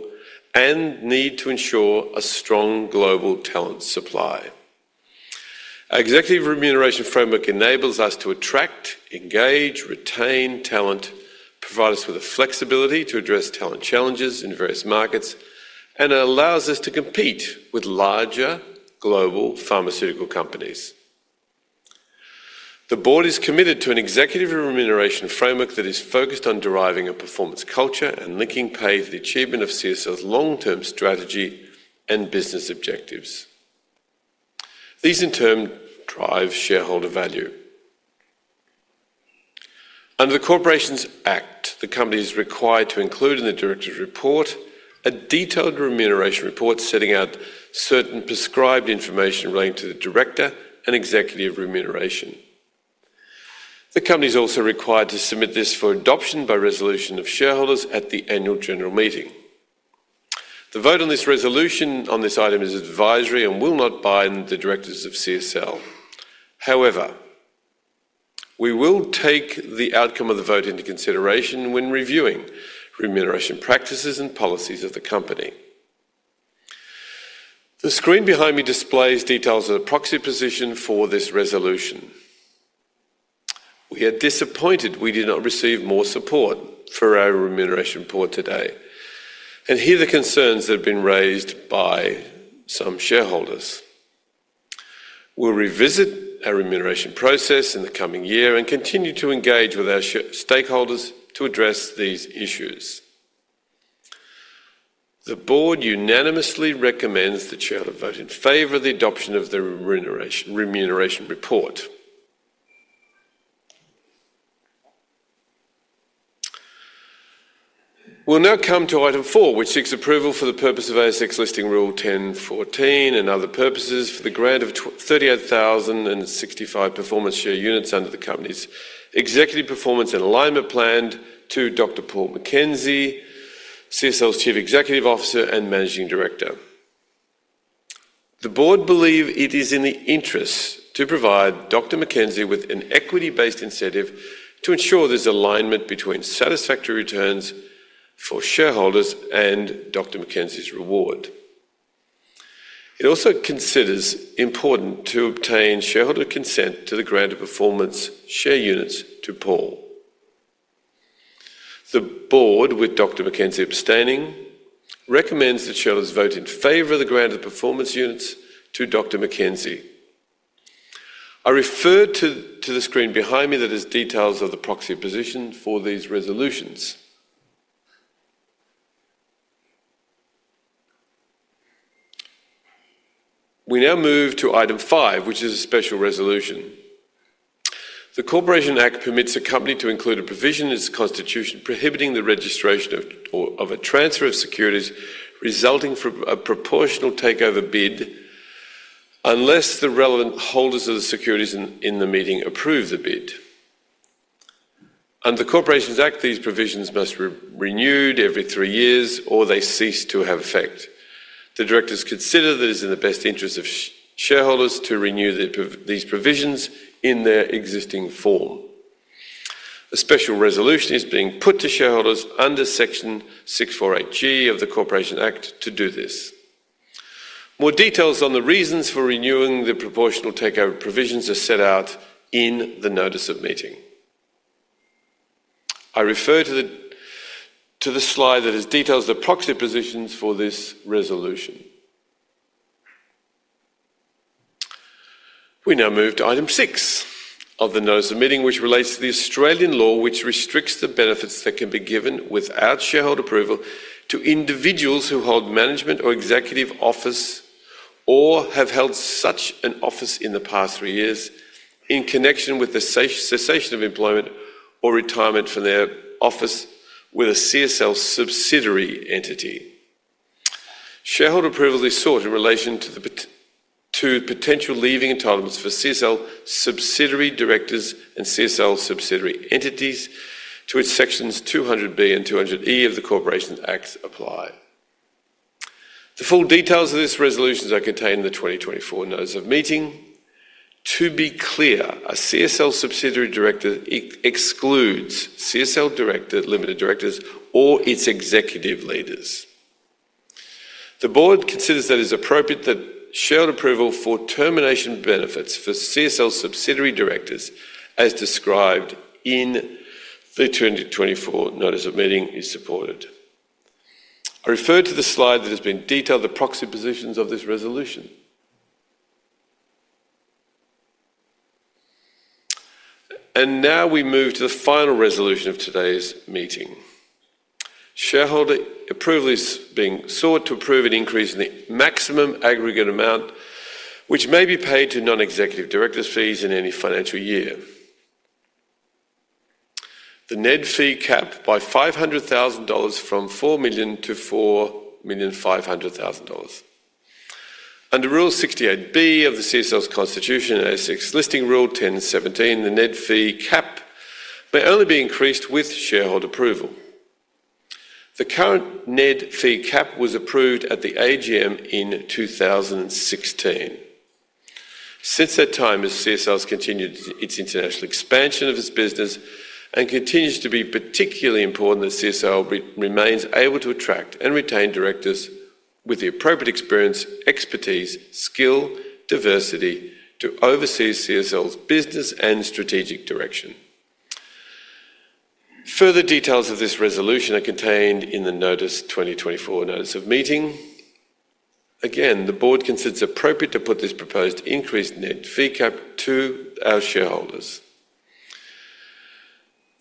and need to ensure a strong global talent supply. Our executive remuneration framework enables us to attract, engage, retain talent, provide us with the flexibility to address talent challenges in various markets, and it allows us to compete with larger global pharmaceutical companies. The board is committed to an executive remuneration framework that is focused on deriving a performance culture and linking pay to the achievement of CSL's long-term strategy and business objectives. These, in turn, drive shareholder value. Under the Corporations Act, the company is required to include in the directors' report a detailed remuneration report setting out certain prescribed information relating to the director and executive remuneration. The company is also required to submit this for adoption by resolution of shareholders at the annual general meeting. The vote on this resolution on this item is advisory and will not bind the directors of CSL. However, we will take the outcome of the vote into consideration when reviewing remuneration practices and policies of the company. The screen behind me displays details of the proxy position for this resolution. We are disappointed we did not receive more support for our remuneration report today, and hear the concerns that have been raised by some shareholders. We'll revisit our remuneration process in the coming year and continue to engage with our shareholders to address these issues. The board unanimously recommends that shareholders vote in favor of the adoption of the remuneration report. We'll now come to item four, which seeks approval for the purpose of ASX Listing Rule 1014 and other purposes, for the grant of 38,065 performance share units under the company's executive performance and alignment plan to Dr. Paul McKenzie, CSL's Chief Executive Officer and Managing Director. The board believe it is in the interests to provide Dr. McKenzie with an equity-based incentive to ensure there's alignment between satisfactory returns for shareholders and Dr. McKenzie's reward. It also considers important to obtain shareholder consent to the grant of performance share units to Paul. The board, with Dr. McKenzie abstaining, recommends that shareholders vote in favor of the grant of performance units to Dr. McKenzie. I refer to the screen behind me that has details of the proxy position for these resolutions. We now move to item five, which is a special resolution. The Corporations Act permits a company to include a provision in its constitution prohibiting the registration of or a transfer of securities resulting from a proportional takeover bid, unless the relevant holders of the securities in the meeting approve the bid. Under the Corporations Act, these provisions must be renewed every three years, or they cease to have effect. The directors consider that it's in the best interest of shareholders to renew these provisions in their existing form. A special resolution is being put to shareholders under Section 648G of the Corporations Act to do this. More details on the reasons for renewing the proportional takeover provisions are set out in the notice of meeting. I refer to the slide that has details of the proxy positions for this resolution. We now move to Item 6 of the notice of meeting, which relates to the Australian law, which restricts the benefits that can be given without shareholder approval to individuals who hold management or executive office, or have held such an office in the past three years, in connection with the cessation of employment or retirement from their office with a CSL subsidiary entity. Shareholder approval is sought in relation to the to potential leaving entitlements for CSL subsidiary directors and CSL subsidiary entities, to which Sections 200B and 200E of the Corporations Act apply. The full details of this resolution are contained in the 2024 notice of meeting. To be clear, a CSL subsidiary director excludes CSL Limited directors or its executive leaders. The board considers that it is appropriate that shareholder approval for termination benefits for CSL subsidiary directors, as described in the 2024 notice of meeting, is supported. I refer to the slide that has been detailed, the proxy positions of this resolution, and now we move to the final resolution of today's meeting. Shareholder approval is being sought to approve an increase in the maximum aggregate amount which may be paid to non-executive directors' fees in any financial year. The NED fee cap by 500,000 dollars from 4 million to 4.5 million. Under Rule 68B of the CSL's Constitution and ASX Listing Rule 10.17, the NED fee cap may only be increased with shareholder approval. The current NED fee cap was approved at the AGM in 2016. Since that time, as CSL's continued its international expansion of its business, and continues to be particularly important that CSL remains able to attract and retain directors with the appropriate experience, expertise, skill, diversity to oversee CSL's business and strategic direction. Further details of this resolution are contained in the notice, 2024 notice of meeting. Again, the board considers it appropriate to put this proposed increased NED fee cap to our shareholders.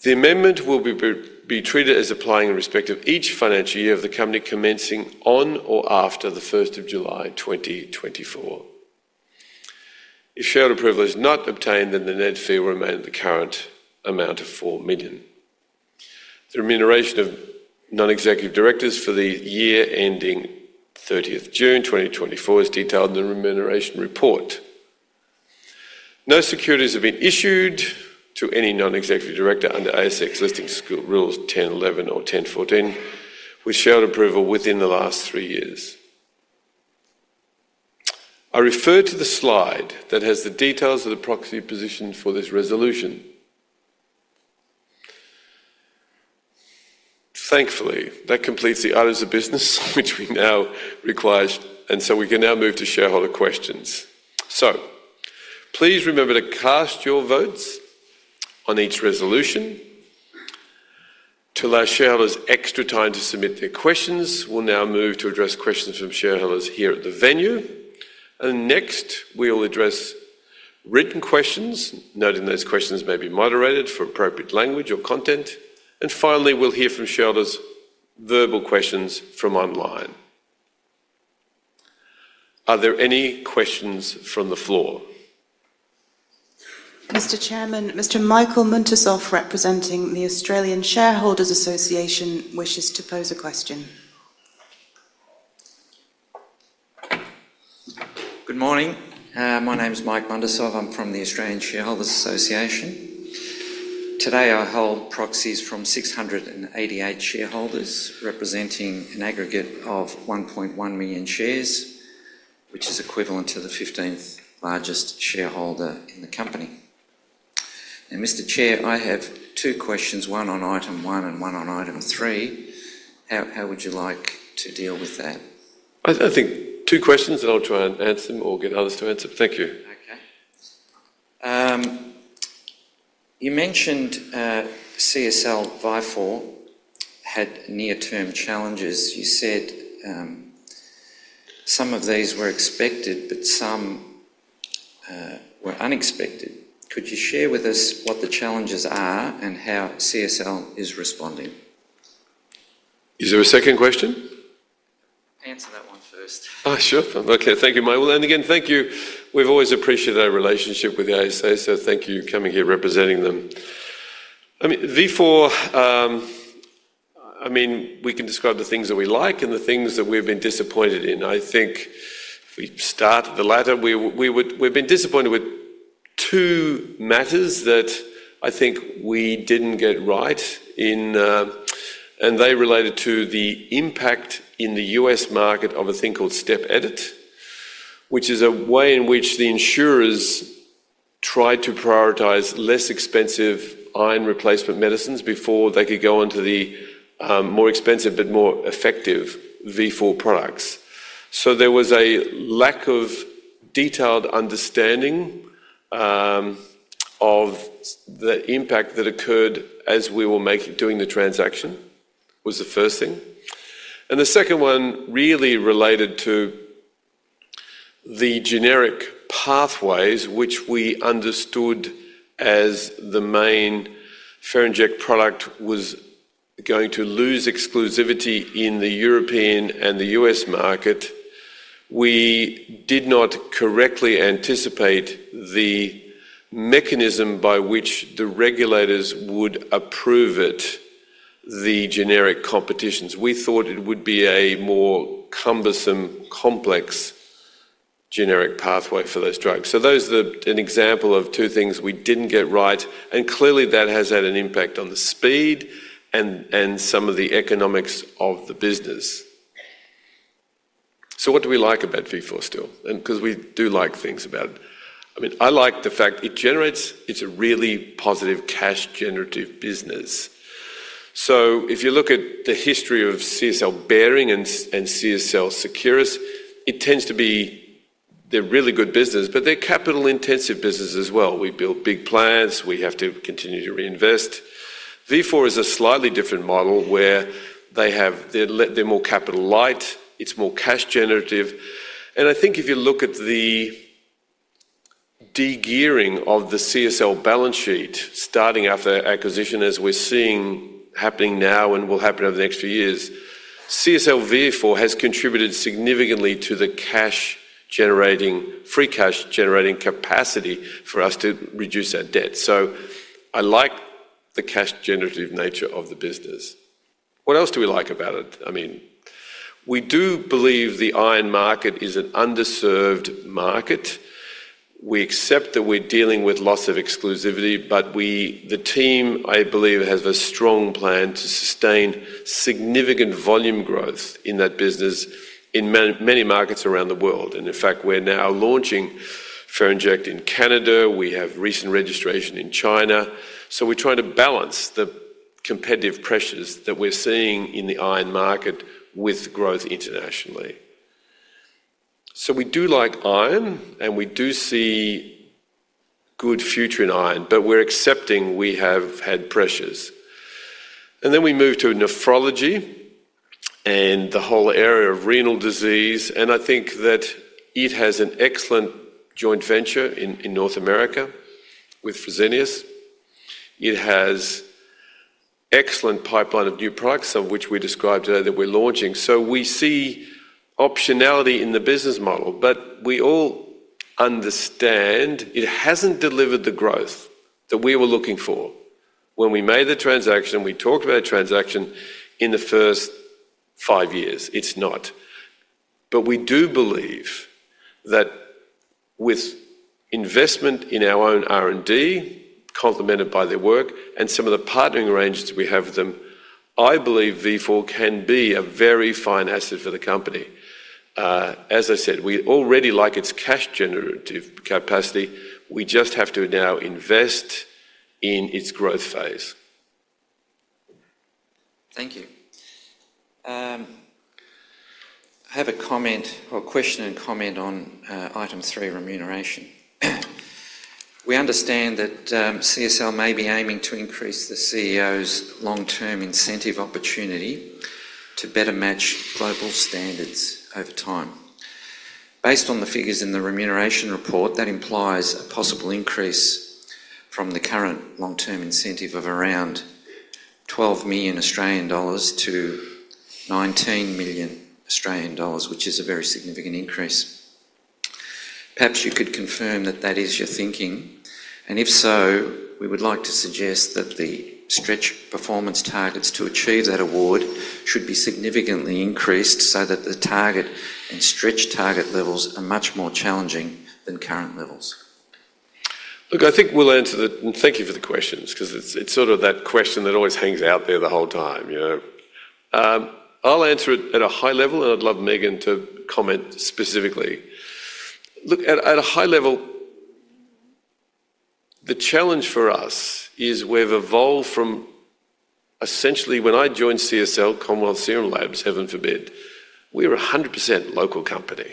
The amendment will be treated as applying in respect of each financial year of the company, commencing on or after the first of July, 2024. If shareholder approval is not obtained, then the NED fee will remain at the current amount of 4 million. The remuneration of non-executive directors for the year ending 30th June, 2024, is detailed in the remuneration report. No securities have been issued to any non-executive director under ASX Listing Rules 10.11 or 10.14, with shareholder approval within the last three years. I refer to the slide that has the details of the proxy position for this resolution. Thankfully, that completes the items of business, which we now require, and so we can now move to shareholder questions. So please remember to cast your votes on each resolution. To allow shareholders extra time to submit their questions, we'll now move to address questions from shareholders here at the venue. And next, we will address written questions, noting those questions may be moderated for appropriate language or content. And finally, we'll hear from shareholders' verbal questions from online. Are there any questions from the floor? Mr. Chairman, Mr. Michael Muntisov, representing the Australian Shareholders' Association, wishes to pose a question. Good morning. My name is Mike Muntisov. I'm from the Australian Shareholders' Association. Today, I hold proxies from 688 shareholders, representing an aggregate of 1.1 million shares, which is equivalent to the 15th largest shareholder in the company. Mr. Chair, I have two questions, one on item one and one on item three. How would you like to deal with that? I think two questions, and I'll try and answer them or get others to answer them. Thank you. Okay. You mentioned, CSL Vifor had near-term challenges. You said, some of these were expected, but some were unexpected. Could you share with us what the challenges are and how CSL is responding? Is there a second question? Answer that one first. Oh, sure. Okay. Thank you, Mike. Well, and again, thank you. We've always appreciated our relationship with the ASA, so thank you for coming here representing them. I mean, Vifor. I mean, we can describe the things that we like and the things that we've been disappointed in. I think if we start at the latter, we would. We've been disappointed with two matters that I think we didn't get right. And they related to the impact in the U.S. market of a thing called step edit, which is a way in which the insurers try to prioritize less expensive iron replacement medicines before they could go on to the more expensive but more effective Vifor products. So there was a lack of detailed understanding of the impact that occurred as we were making, doing the transaction, was the first thing. And the second one really related to the generic pathways, which we understood as the main Ferinject product was going to lose exclusivity in Europe and the US market. We did not correctly anticipate the mechanism by which the regulators would approve it, the generic competitions. We thought it would be a more cumbersome, complex generic pathway for those drugs. So those are an example of two things we didn't get right, and clearly, that has had an impact on the speed and some of the economics of the business. So what do we like about Vifor still? And 'cause we do like things about... I mean, I like the fact it generates, it's a really positive cash-generative business. So if you look at the history of CSL Behring and CSL Seqirus, it tends to be a really good business, but they're capital-intensive business as well. We build big plants. We have to continue to reinvest. Vifor is a slightly different model, where they have, they're more capital light, it's more cash generative. And I think if you look at the de-gearing of the CSL balance sheet, starting after the acquisition, as we're seeing happening now and will happen over the next few years, CSL Vifor has contributed significantly to the cash-generating, free cash-generating capacity for us to reduce our debt. So I like the cash-generative nature of the business. What else do we like about it? I mean... We do believe the iron market is an underserved market. We accept that we're dealing with loss of exclusivity, but we, the team, I believe, has a strong plan to sustain significant volume growth in that business in many markets around the world. And in fact, we're now launching Ferinject in Canada. We have recent registration in China. So we're trying to balance the competitive pressures that we're seeing in the iron market with growth internationally. So we do like iron, and we do see good future in iron, but we're accepting we have had pressures. And then we move to nephrology and the whole area of renal disease, and I think that it has an excellent joint venture in North America with Fresenius. It has excellent pipeline of new products, some of which we described today that we're launching. So we see optionality in the business model, but we all understand it hasn't delivered the growth that we were looking for when we made the transaction, we talked about a transaction in the first five years. It's not. But we do believe that with investment in our own R&D, complemented by their work and some of the partnering arrangements we have with them, I believe Vifor can be a very fine asset for the company. As I said, we already like its cash generative capacity. We just have to now invest in its growth phase. Thank you. I have a comment or question and comment on item three, remuneration. We understand that CSL may be aiming to increase the CEO's long-term incentive opportunity to better match global standards over time. Based on the figures in the remuneration report, that implies a possible increase from the current long-term incentive of around 12 million Australian dollars to 19 million Australian dollars, which is a very significant increase. Perhaps you could confirm that that is your thinking, and if so, we would like to suggest that the stretch performance targets to achieve that award should be significantly increased so that the target and stretch target levels are much more challenging than current levels. Look, I think we'll answer that. Thank you for the questions 'cause it's sort of that question that always hangs out there the whole time, you know? I'll answer it at a high level, and I'd love Megan to comment specifically. Look, at a high level, the challenge for us is we've evolved from essentially when I joined CSL, Commonwealth Serum Labs, heaven forbid, we were 100% local company.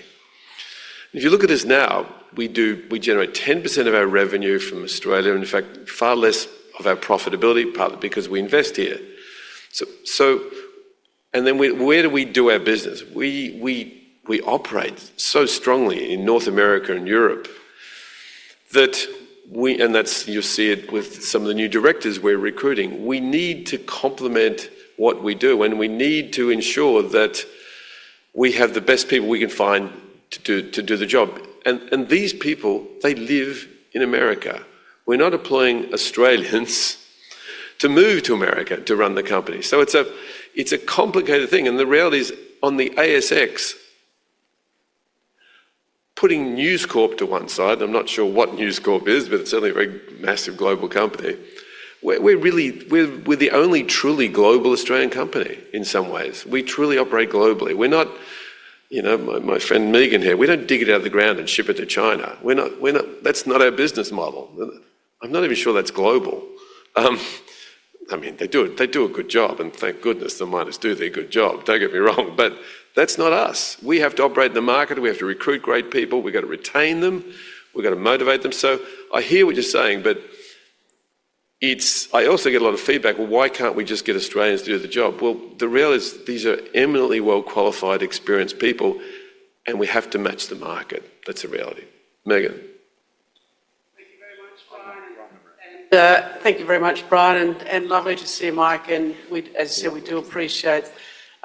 If you look at us now, we generate 10% of our revenue from Australia, and in fact, far less of our profitability, partly because we invest here. So, and then where do we do our business? We operate so strongly in North America and Europe that we. And that's, you see it with some of the new directors we're recruiting. We need to complement what we do, and we need to ensure that we have the best people we can find to do the job. These people, they live in America. We're not employing Australians to move to America to run the company. So it's a complicated thing, and the reality is, on the ASX, putting News Corp to one side, I'm not sure what News Corp is, but it's certainly a very massive global company. We're really the only truly global Australian company in some ways. We truly operate globally. We're not, you know, my friend Megan here, we don't dig it out of the ground and ship it to China. That's not our business model. I'm not even sure that's global. I mean, they do it. They do a good job, and thank goodness the miners do their good job. Don't get me wrong, but that's not us. We have to operate in the market. We have to recruit great people. We've got to retain them. We've got to motivate them. So I hear what you're saying, but it's, I also get a lot of feedback, "Well, why can't we just get Australians to do the job?" Well, the reality is, these are eminently well-qualified, experienced people, and we have to match the market. That's a reality. Megan. Thank you very much, Brian, and thank you very much, Brian, and lovely to see you, Mike, and we, as I said, we do appreciate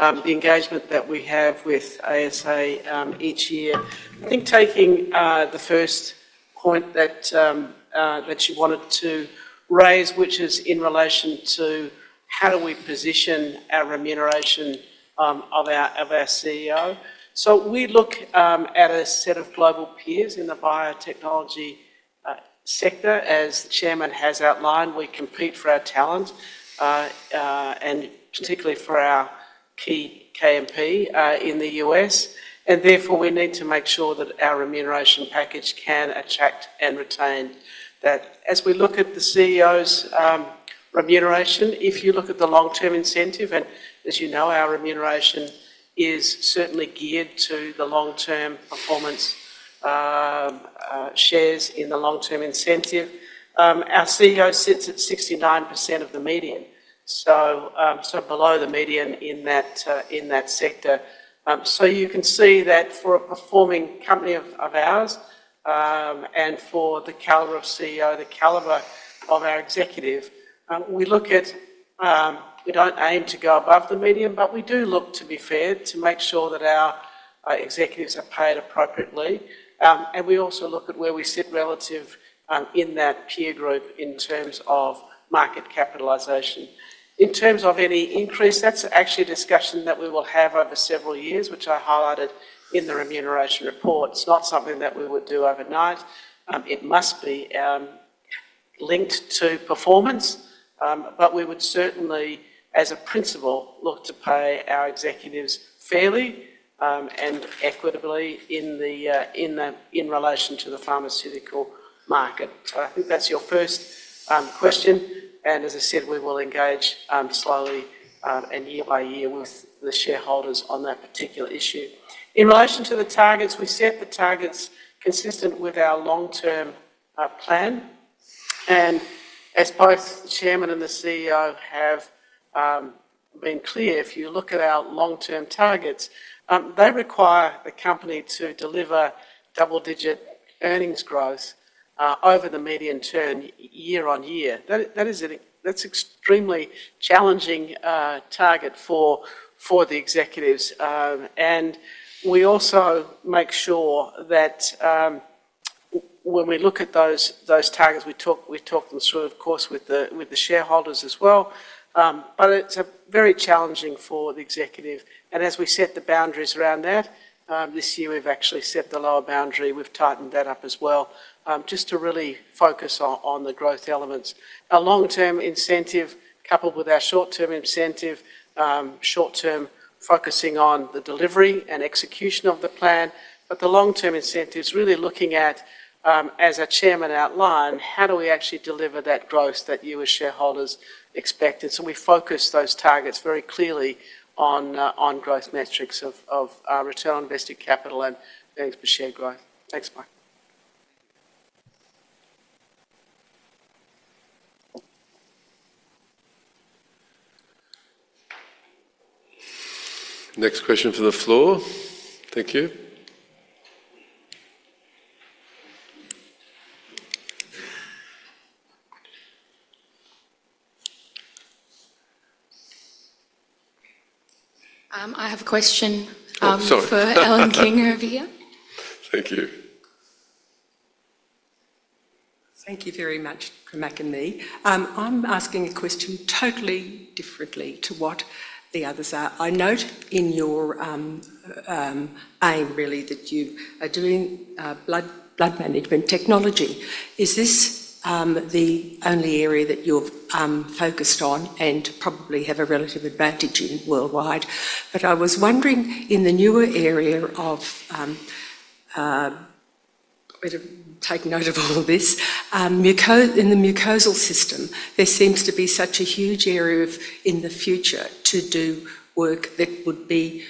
the engagement that we have with ASA each year. I think taking the first point that you wanted to raise, which is in relation to how do we position our remuneration of our CEO. So we look at a set of global peers in the biotechnology sector. As the Chairman has outlined, we compete for our talent and particularly for our key KMP in the U.S., and therefore, we need to make sure that our remuneration package can attract and retain that. As we look at the CEO's remuneration, if you look at the long-term incentive, and as you know, our remuneration is certainly geared to the long-term performance, shares in the long-term incentive, our CEO sits at 69% of the median, so, so below the median in that, in that sector. So you can see that for a performing company of ours, and for the caliber of CEO, the caliber of our executive, we look at. We don't aim to go above the median, but we do look to be fair, to make sure that our executives are paid appropriately. And we also look at where we sit relative, in that peer group in terms of market capitalization. In terms of any increase, that's actually a discussion that we will have over several years, which I highlighted in the remuneration report. It's not something that we would do overnight. It must be linked to performance, but we would certainly, as a principle, look to pay our executives fairly and equitably in relation to the pharmaceutical market. So I think that's your first question, and as I said, we will engage slowly and year by year with the shareholders on that particular issue. In relation to the targets, we set the targets consistent with our long-term plan. And as both the Chairman and the CEO have been clear, if you look at our long-term targets, they require the company to deliver double-digit earnings growth over the medium term, year on year. That is an, that's extremely challenging target for the executives, and we also make sure that when we look at those targets, we talk them through, of course, with the shareholders as well, but it's very challenging for the executive, and as we set the boundaries around that, this year we've actually set the lower boundary. We've tightened that up as well, just to really focus on the growth elements. Our long-term incentive, coupled with our short-term incentive, short-term focusing on the delivery and execution of the plan, but the long-term incentive is really looking at, as our chairman outlined, how do we actually deliver that growth that you as shareholders expected? So we focus those targets very clearly on growth metrics of return on invested capital and earnings per share growth. Thanks, Mark. Next question from the floor. Thank you. I have a question- Oh, sorry. for Alan King over here. Thank you. Thank you very much, McNamee. I'm asking a question totally differently to what the others are. I note in your annual really that you are doing blood management technology. Is this the only area that you're focused on and probably have a relative advantage in worldwide? But I was wondering, in the newer area of better take note of all of this, muco- in the mucosal system, there seems to be such a huge area of, in the future, to do work that would be.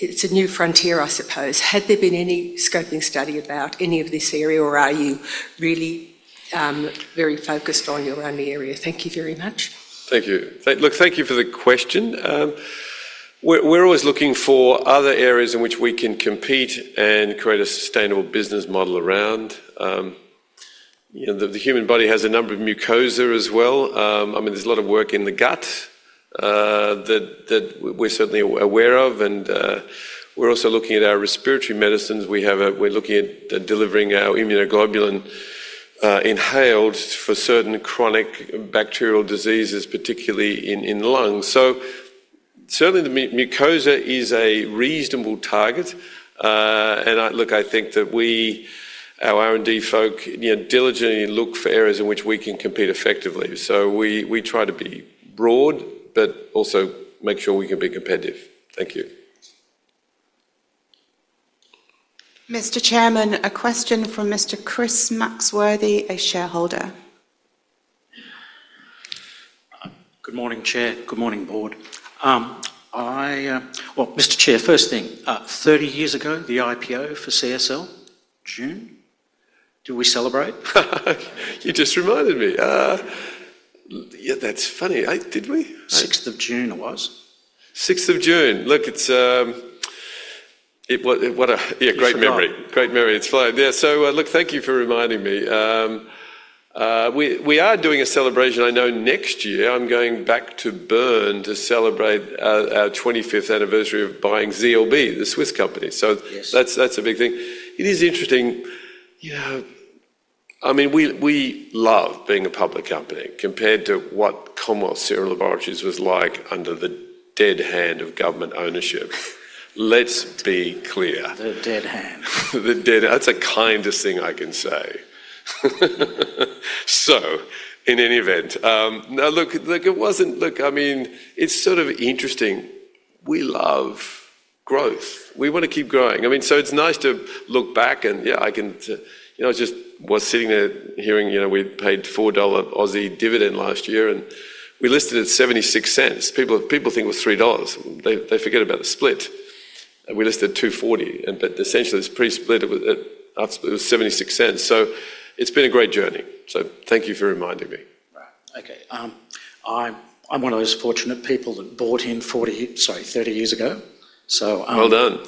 It's a new frontier, I suppose. Had there been any scoping study about any of this area, or are you really very focused on your own area? Thank you very much. Thank you. Look, thank you for the question. We're always looking for other areas in which we can compete and create a sustainable business model around. You know, the human body has a number of mucosa as well. I mean, there's a lot of work in the gut that we're certainly aware of, and we're also looking at our respiratory medicines. We're looking at delivering our immunoglobulin inhaled for certain chronic bacterial diseases, particularly in the lungs. So certainly, the mucosa is a reasonable target. And look, I think that we, our R&D folk, you know, diligently look for areas in which we can compete effectively. So we try to be broad, but also make sure we can be competitive. Thank you. Mr. Chairman, a question from Mr. Chris Maxworthy, a shareholder. Good morning, Chair. Good morning, Board. Well, Mr. Chair, first thing, thirty years ago, the IPO for CSL, June, do we celebrate? You just reminded me. Yeah, that's funny, eh? Did we? Sixth of June it was. Sixth of June. Look, it's it was... What a- Great night... yeah, great memory. Great memory. It's flown. Yeah. So, look, thank you for reminding me. We are doing a celebration. I know next year I'm going back to Bern to celebrate our twenty-fifth anniversary of buying ZLB, the Swiss company. So- Yes... that's a big thing. It is interesting, you know, I mean, we love being a public company compared to what Commonwealth Serum Laboratories was like under the dead hand of government ownership. Let's be clear. The dead hand. The dead... That's the kindest thing I can say. So in any event, I mean, it's sort of interesting. We love growth. We wanna keep growing. I mean, so it's nice to look back and, yeah, I can, you know, I just was sitting there hearing, you know, we paid 4 Aussie dollars Aussie dividend last year, and we listed at 0.76. People think it was 3 dollars. They forget about the split. We listed at 2.40, and but essentially it's pre-split, it was at 0.76. So it's been a great journey. So thank you for reminding me. Right. Okay. I'm one of those fortunate people that bought in forty, sorry, thirty years ago. So, Well done ...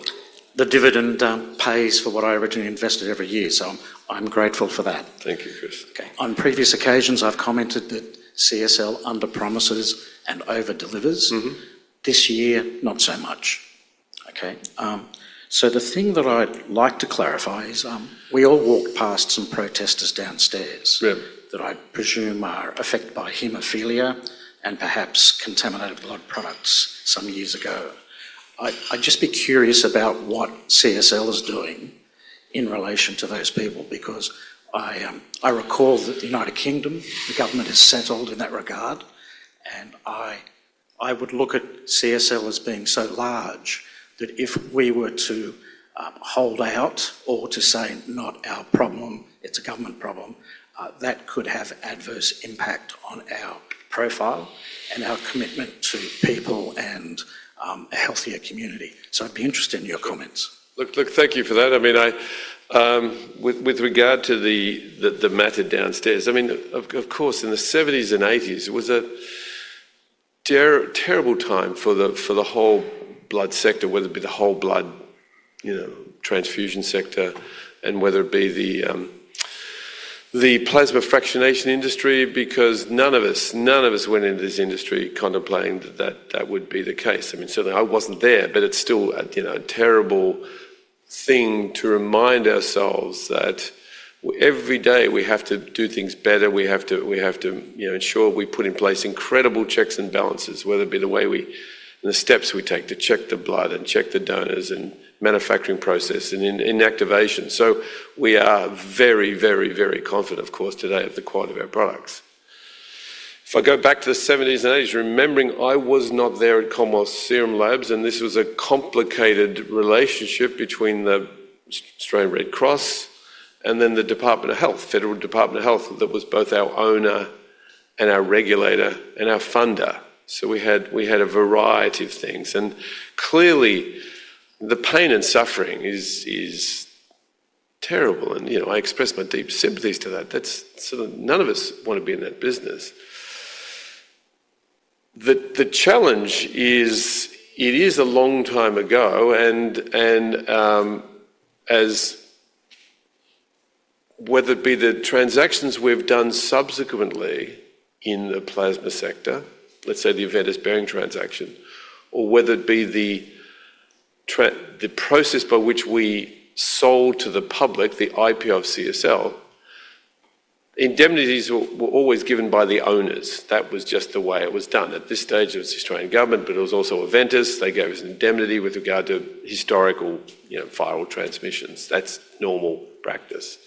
the dividend pays for what I originally invested every year, so I'm grateful for that. Thank you, Chris. Okay. On previous occasions, I've commented that CSL under-promises and over-delivers. This year, not so much.... Okay, so the thing that I'd like to clarify is, we all walked past some protesters downstairs- Yeah -that I presume are affected by hemophilia and perhaps contaminated blood products some years ago. I'd just be curious about what CSL is doing in relation to those people, because I recall that the United Kingdom, the government has settled in that regard, and I would look at CSL as being so large that if we were to hold out or to say, "Not our problem, it's a government problem," that could have adverse impact on our profile and our commitment to people and a healthier community. So I'd be interested in your comments. Look, thank you for that. I mean, with regard to the matter downstairs, I mean, of course, in the '70s and '80s, it was a terrible time for the whole blood sector, whether it be the whole blood, you know, transfusion sector and whether it be the plasma fractionation industry, because none of us went into this industry contemplating that that would be the case. I mean, certainly I wasn't there, but it's still a, you know, a terrible thing to remind ourselves that every day we have to do things better. We have to, you know, ensure we put in place incredible checks and balances, whether it be the steps we take to check the blood and check the donors and manufacturing process and inactivation. So we are very, very, very confident, of course, today of the quality of our products. If I go back to the 1970s and 1980s, remembering I was not there at Commonwealth Serum Labs, and this was a complicated relationship between the Australian Red Cross and then the Department of Health, Federal Department of Health, that was both our owner and our regulator and our funder. So we had a variety of things, and clearly, the pain and suffering is terrible, and, you know, I express my deep sympathies to that. That's so none of us want to be in that business. The challenge is, it is a long time ago, and as... whether it be the transactions we've done subsequently in the plasma sector, let's say the Aventis Behring transaction, or whether it be the process by which we sold to the public, the IPO of CSL, indemnities were always given by the owners. That was just the way it was done. At this stage, it was Australian government, but it was also Aventis. They gave us indemnity with regard to historical, you know, viral transmissions. That's normal practice.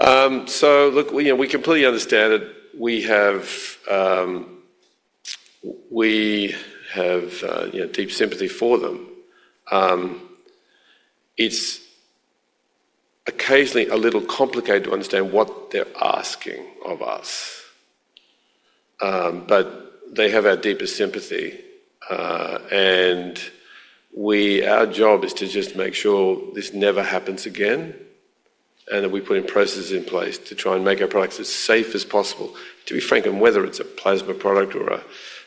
So look, we, you know, we completely understand it. We have you know deep sympathy for them. It's occasionally a little complicated to understand what they're asking of us, but they have our deepest sympathy, and our job is to just make sure this never happens again, and that we're putting processes in place to try and make our products as safe as possible. To be frank, and whether it's a plasma product or a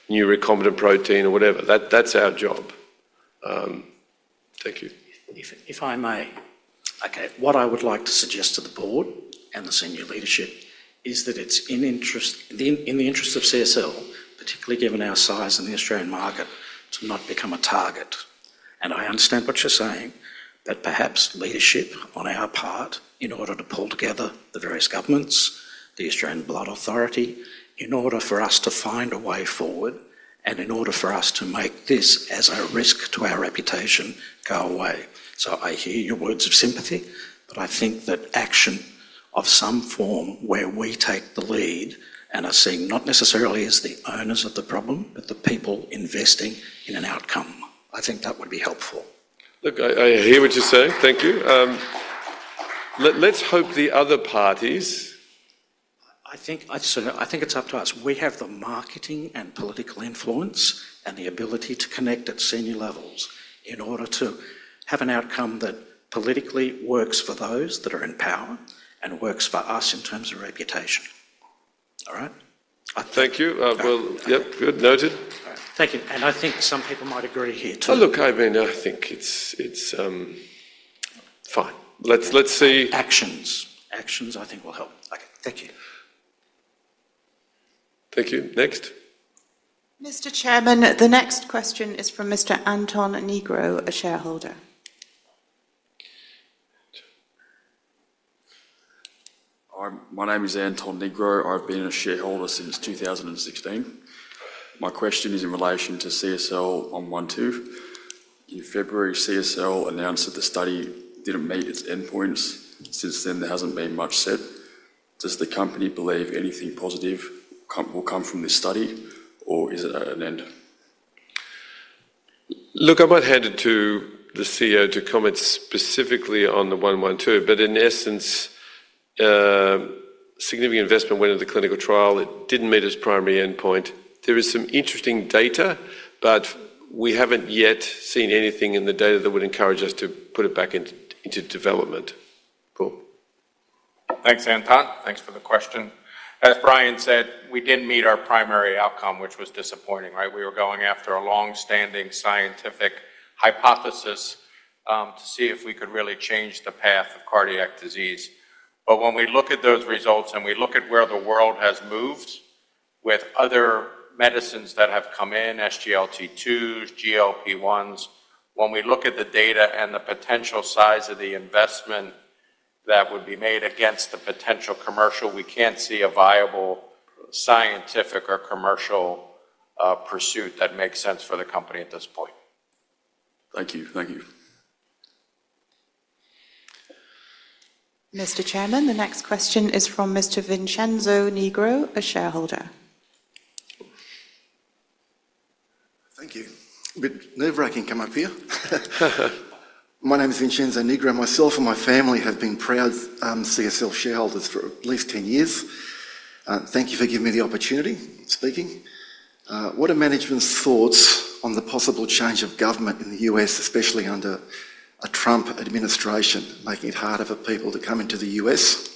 new recombinant protein or whatever, that's our job. Thank you. If I may. Okay, what I would like to suggest to the board and the senior leadership is that it's in the interest of CSL, particularly given our size in the Australian market, to not become a target, and I understand what you're saying, that perhaps leadership on our part, in order to pull together the various governments, the Australian Blood Authority, in order for us to find a way forward and in order for us to make this, as a risk to our reputation, go away, so I hear your words of sympathy, but I think that action of some form where we take the lead and are seen, not necessarily as the owners of the problem, but the people investing in an outcome, I think that would be helpful. Look, I hear what you're saying. Thank you. Let's hope the other parties- I think, I'd say, I think it's up to us. We have the marketing and political influence and the ability to connect at senior levels in order to have an outcome that politically works for those that are in power and works for us in terms of reputation. All right? Thank you. Well, yep, good. Noted. Thank you. And I think some people might agree here, too. Well, look, I mean, I think it's fine. Let's see- Actions. Actions, I think, will help. Okay. Thank you. Thank you. Next. Mr. Chairman, the next question is from Mr. Anton Nigro, a shareholder. Hi, my name is Anton Nigro. I've been a shareholder since 2016. My question is in relation to CSL112. In February, CSL announced that the study didn't meet its endpoints. Since then, there hasn't been much said. Does the company believe anything positive come, will come from this study or is it at an end? Look, I might hand it to the CEO to comment specifically on the 112, but in essence, significant investment went into the clinical trial. It didn't meet its primary endpoint. There is some interesting data, but we haven't yet seen anything in the data that would encourage us to put it back into development. Paul? Thanks, Anton. Thanks for the question. As Brian said, we didn't meet our primary outcome, which was disappointing, right? We were going after a long-standing scientific hypothesis to see if we could really change the path of cardiac disease. But when we look at those results and we look at where the world has moved with other medicines that have come in, SGLT2s, GLP-1s, when we look at the data and the potential size of the investment that would be made against the potential commercial, we can't see a viable scientific or commercial pursuit that makes sense for the company at this point. Thank you. Thank you. Mr. Chairman, the next question is from Mr. Vincenzo Nigro, a shareholder. Oh. Thank you. A bit nerve-wracking come up here. My name is Vincenzo Nigro, and myself and my family have been proud CSL shareholders for at least 10 years. Thank you for giving me the opportunity speaking. What are management's thoughts on the possible change of government in the U.S., especially under a Trump administration, making it harder for people to come into the U.S.?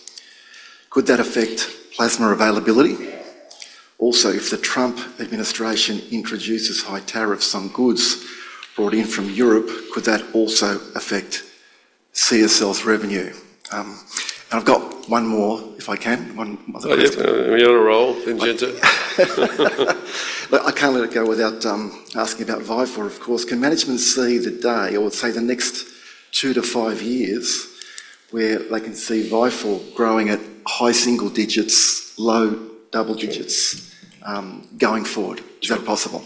Could that affect plasma availability? Also, if the Trump administration introduces high tariffs on goods brought in from Europe, could that also affect CSL's revenue? And I've got one more, if I can, one other question. Oh, yeah. You're on a roll, Vincenzo. But I can't let it go without asking about Vifor, of course. Can management see the day or, say, the next two to five years, where they can see Vifor growing at high single digits, low double digits, going forward? Is that possible?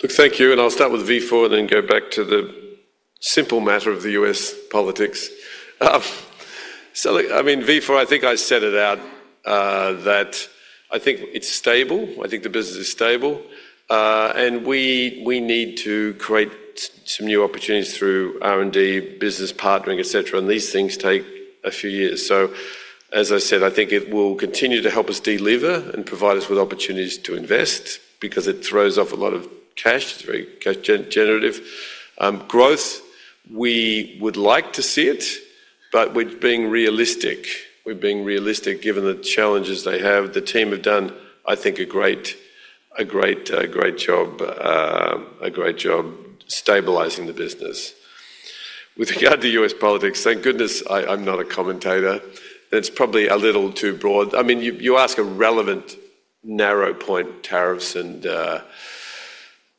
Look, thank you, and I'll start with Vifor, then go back to the simple matter of the U.S. politics. So look, I mean, Vifor, I think I set it out, that I think it's stable. I think the business is stable. And we need to create some new opportunities through R&D, business partnering, et cetera, and these things take a few years. So, as I said, I think it will continue to help us deliver and provide us with opportunities to invest because it throws off a lot of cash. It's very cash generative. Growth, we would like to see it, but we're being realistic. We're being realistic, given the challenges they have. The team have done, I think, a great job stabilizing the business. With regard to U.S. politics, thank goodness I'm not a commentator, and it's probably a little too broad. I mean, you ask a relevant, narrow point, tariffs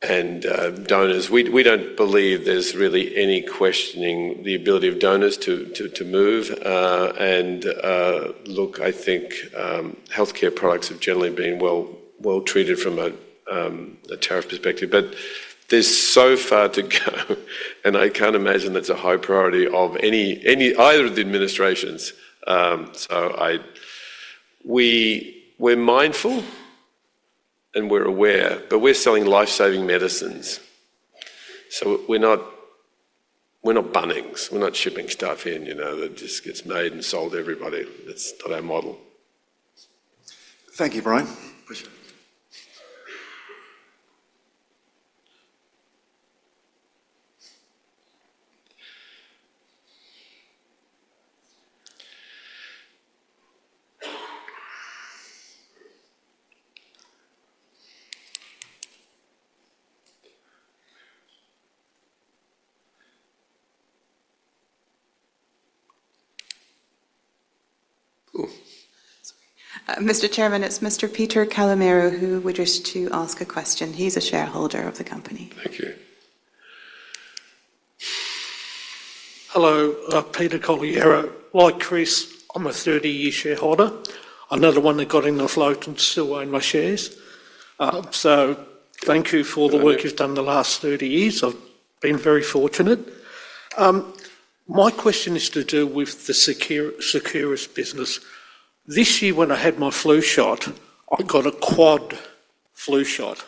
and donors. We don't believe there's really any questioning the ability of donors to move. Look, I think healthcare products have generally been well treated from a tariff perspective, but there's so far to go, and I can't imagine that's a high priority of any either of the administrations. So we're mindful, and we're aware, but we're selling life-saving medicines. So we're not Bunnings. We're not shipping stuff in, you know, that just gets made and sold to everybody. That's not our model. Thank you, Brian. Appreciate it. Cool. Mr. Chairman, it's Mr. Peter Calamari, who would wish to ask a question. He's a shareholder of the company. Thank you. Hello, Peter Calamari. Like Chris, I'm a thirty-year shareholder, another one that got in the float and still own my shares. So thank you for all the work you've done in the last thirty years. I've been very fortunate. My question is to do with the Seqirus business. This year, when I had my flu shot, I got a quad flu shot.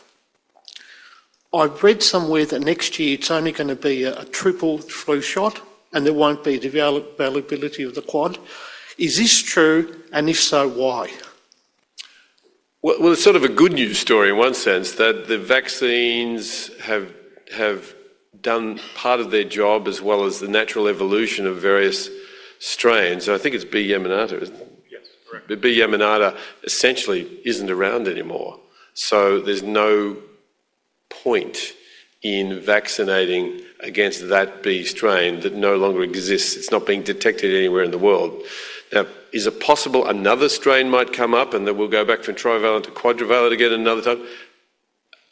I've read somewhere that next year it's only gonna be a triple flu shot, and there won't be the availability of the quad. Is this true, and if so, why? Well, well, it's sort of a good news story in one sense, that the vaccines have done part of their job, as well as the natural evolution of various strains. I think it's B/Yamagata, isn't it? Yes, correct. The B/Yamagata essentially isn't around anymore, so there's no point in vaccinating against that B strain that no longer exists. It's not being detected anywhere in the world. Now, is it possible another strain might come up, and then we'll go back from trivalent to quadrivalent again another time?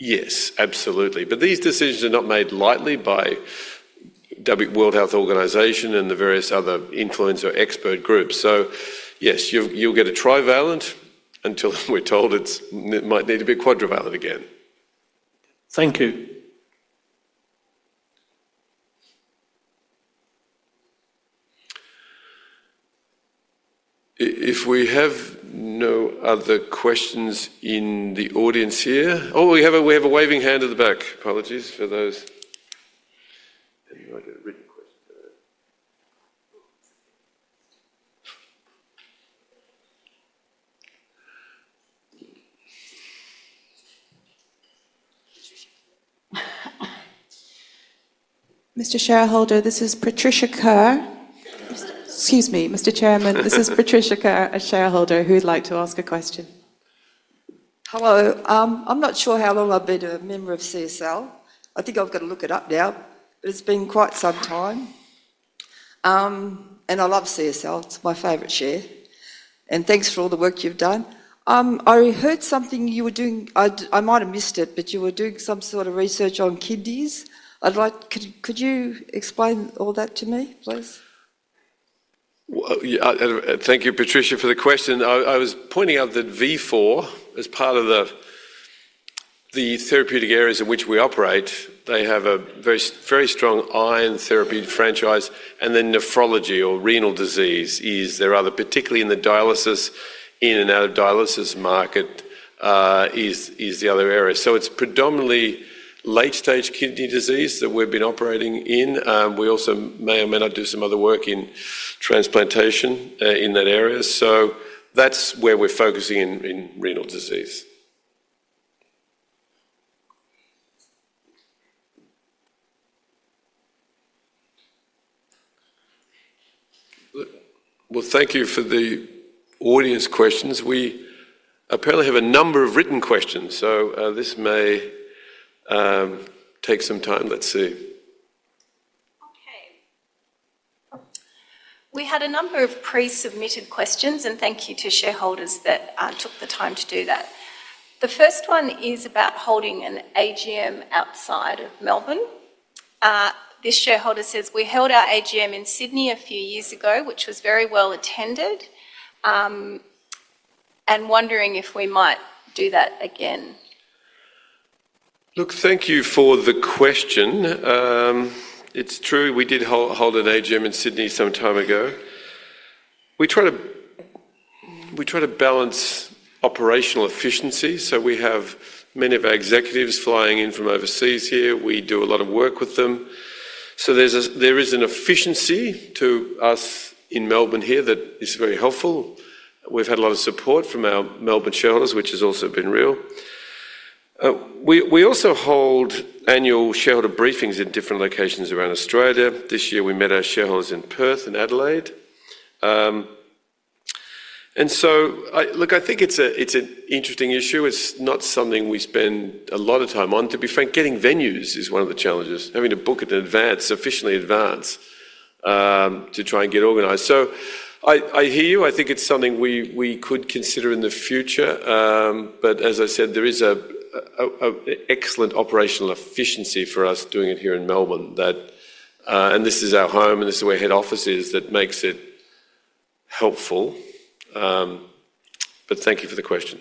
Yes, absolutely. But these decisions are not made lightly by World Health Organization and the various other influencer expert groups. So yes, you'll get a trivalent until we're told it might need to be quadrivalent again. Thank you. If we have no other questions in the audience here... Oh, we have a waving hand at the back. Apologies for those, and you might have a written question there. Mr. Shareholder, this is Patricia Kerr. Excuse me, Mr. Chairman. This is Patricia Kerr, a shareholder, who'd like to ask a question. Hello. I'm not sure how long I've been a member of CSL. I think I've got to look it up now, but it's been quite some time. And I love CSL, it's my favorite share. And thanks for all the work you've done. I heard something you were doing. I might have missed it, but you were doing some sort of research on kidneys. I'd like. Could you explain all that to me, please? Well, yeah, thank you, Patricia, for the question. I was pointing out that Vifor is part of the therapeutic areas in which we operate. They have a very strong iron therapy franchise, and then nephrology or renal disease is their other, particularly in the dialysis, in and out of dialysis market, is the other area. So it's predominantly late-stage kidney disease that we've been operating in. We also may or may not do some other work in transplantation in that area. So that's where we're focusing in renal disease. Look, well, thank you for the audience questions. We apparently have a number of written questions, so this may take some time. Let's see. Okay. We had a number of pre-submitted questions, and thank you to shareholders that took the time to do that. The first one is about holding an AGM outside of Melbourne. This shareholder says: "We held our AGM in Sydney a few years ago, which was very well attended, and wondering if we might do that again? Look, thank you for the question. It's true, we did hold an AGM in Sydney some time ago. We try to balance operational efficiency, so we have many of our executives flying in from overseas here. We do a lot of work with them. So there is an efficiency to us in Melbourne here that is very helpful. We've had a lot of support from our Melbourne shareholders, which has also been real. We also hold annual shareholder briefings in different locations around Australia. This year, we met our shareholders in Perth and Adelaide. And so I... Look, I think it's an interesting issue. It's not something we spend a lot of time on. To be frank, getting venues is one of the challenges, having to book it in advance, sufficiently advance, to try and get organized. So I hear you. I think it's something we could consider in the future. But as I said, there is a excellent operational efficiency for us doing it here in Melbourne that. And this is our home, and this is where our head office is, that makes it helpful. But thank you for the question.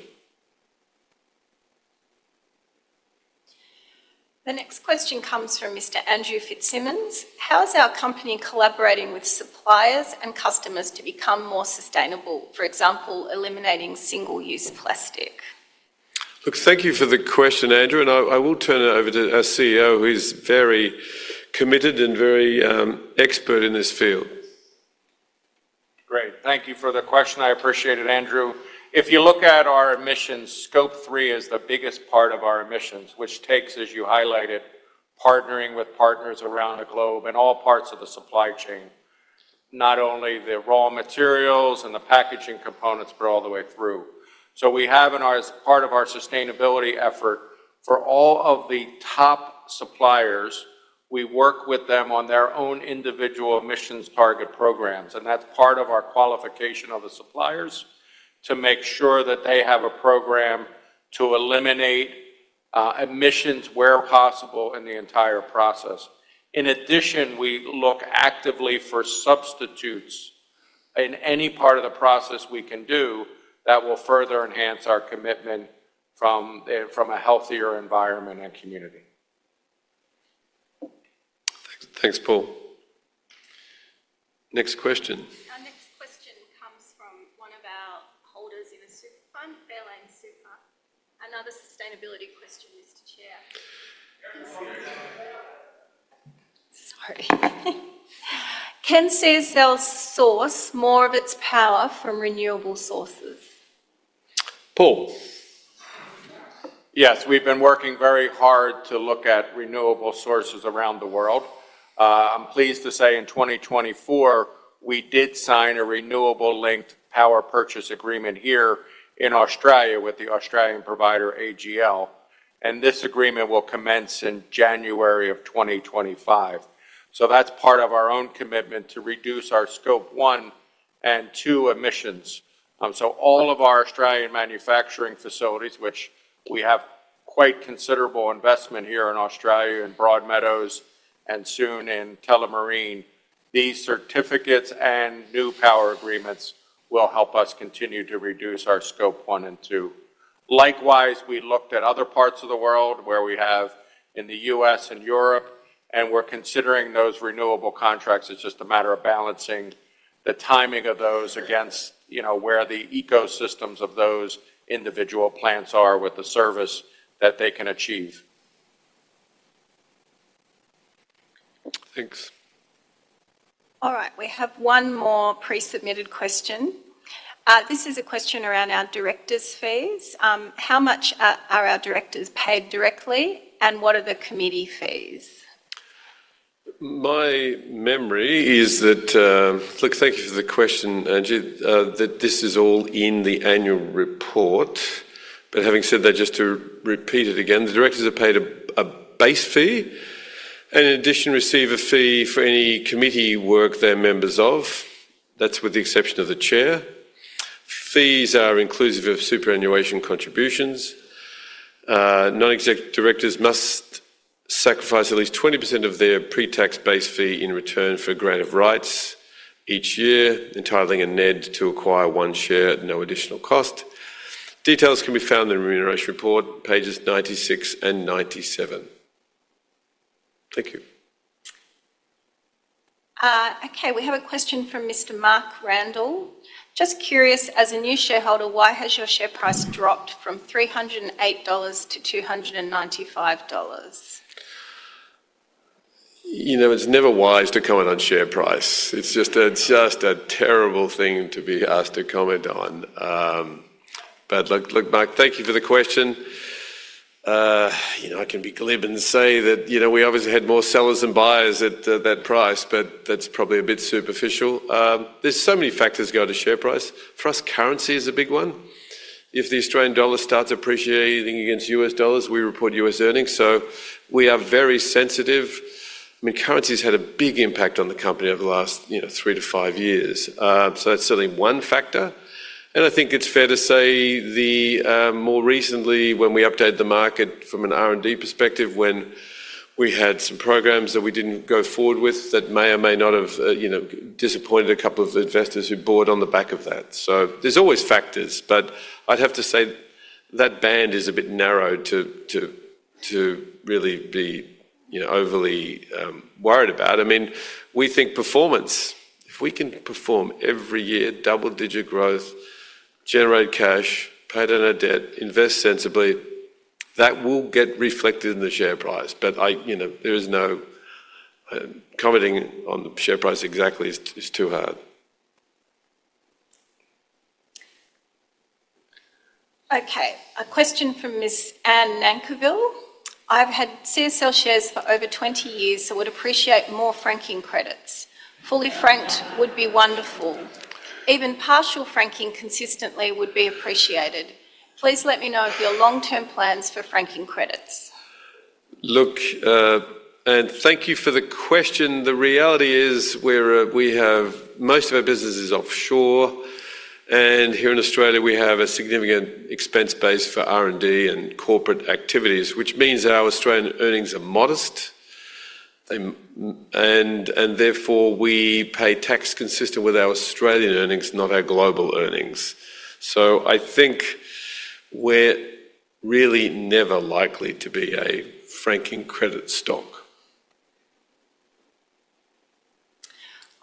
The next question comes from Mr. Andrew Fitzsimmons. "How is our company collaborating with suppliers and customers to become more sustainable? For example, eliminating single-use plastic. Look, thank you for the question, Andrew, and I will turn it over to our CEO, who is very committed and very expert in this field. Great. Thank you for the question. I appreciate it, Andrew. If you look at our emissions, Scope 3 is the biggest part of our emissions, which takes, as you highlighted, partnering with partners around the globe in all parts of the supply chain. Not only the raw materials and the packaging components, but all the way through. So we have in our, as part of our sustainability effort, for all of the top suppliers, we work with them on their own individual emissions target programs, and that's part of our qualification of the suppliers, to make sure that they have a program to eliminate emissions where possible in the entire process. In addition, we look actively for substitutes in any part of the process we can do that will further enhance our commitment from a, from a healthier environment and community. Thanks, Paul. Next question. Our next question comes from one of our holders in a super fund, Fairlane Super. Another sustainability question, Mr. Chair. Sorry. "Can CSL source more of its power from renewable sources? Paul? Yes, we've been working very hard to look at renewable sources around the world. I'm pleased to say in 2024, we did sign a renewable linked power purchase agreement here in Australia with the Australian provider, AGL, and this agreement will commence in January of 2025, so that's part of our own commitment to reduce our Scope 1 and 2 emissions. So all of our Australian manufacturing facilities, which we have quite considerable investment here in Australia, in Broadmeadows, and soon in Tullamarine, these certificates and new power agreements will help us continue to reduce our Scope 1 and 2. Likewise, we looked at other parts of the world where we have in the U.S. and Europe, and we're considering those renewable contracts. It's just a matter of balancing the timing of those against, you know, where the ecosystems of those individual plants are with the service that they can achieve. Thanks. All right, we have one more pre-submitted question. This is a question around our directors' fees. How much are our directors paid directly, and what are the committee fees? My memory is that, Look, thank you for the question, Angie. That this is all in the annual report. But having said that, just to repeat it again, the directors are paid a base fee and in addition, receive a fee for any committee work they're members of. That's with the exception of the chair. Fees are inclusive of superannuation contributions. Non-exec directors must sacrifice at least 20% of their pre-tax base fee in return for grant of rights each year, entitling a NED to acquire one share at no additional cost. Details can be found in the remuneration report, pages 96 and 97. Thank you. Okay, we have a question from Mr. Mark Randall: "Just curious, as a new shareholder, why has your share price dropped from 308 dollars to 295 dollars? You know, it's never wise to comment on share price. It's just a terrible thing to be asked to comment on. But look, Mark, thank you for the question. You know, I can be glib and say that, you know, we obviously had more sellers than buyers at that price, but that's probably a bit superficial. There's so many factors go into share price. For us, currency is a big one. If the Australian dollar starts appreciating against U.S. dollars, we report U.S. earnings, so we are very sensitive. I mean, currency's had a big impact on the company over the last, you know, three to five years. So that's certainly one factor, and I think it's fair to say the more recently, when we updated the market from an R&D perspective, when we had some programs that we didn't go forward with, that may or may not have, you know, disappointed a couple of investors who bought on the back of that. So there's always factors, but I'd have to say that band is a bit narrow to really be, you know, overly worried about. I mean, we think performance. If we can perform every year, double-digit growth, generate cash, pay down our debt, invest sensibly, that will get reflected in the share price. But I, you know, there is no commenting on the share price exactly is too hard. Okay, a question from Miss Anne Nankerville: "I've had CSL shares for over twenty years, so would appreciate more franking credits. Fully franked would be wonderful. Even partial franking consistently would be appreciated. Please let me know of your long-term plans for franking credits. Look, and thank you for the question. The reality is, most of our business is offshore, and here in Australia, we have a significant expense base for R&D and corporate activities, which means that our Australian earnings are modest, and therefore, we pay tax consistent with our Australian earnings, not our global earnings. So I think we're really never likely to be a franking credit stock.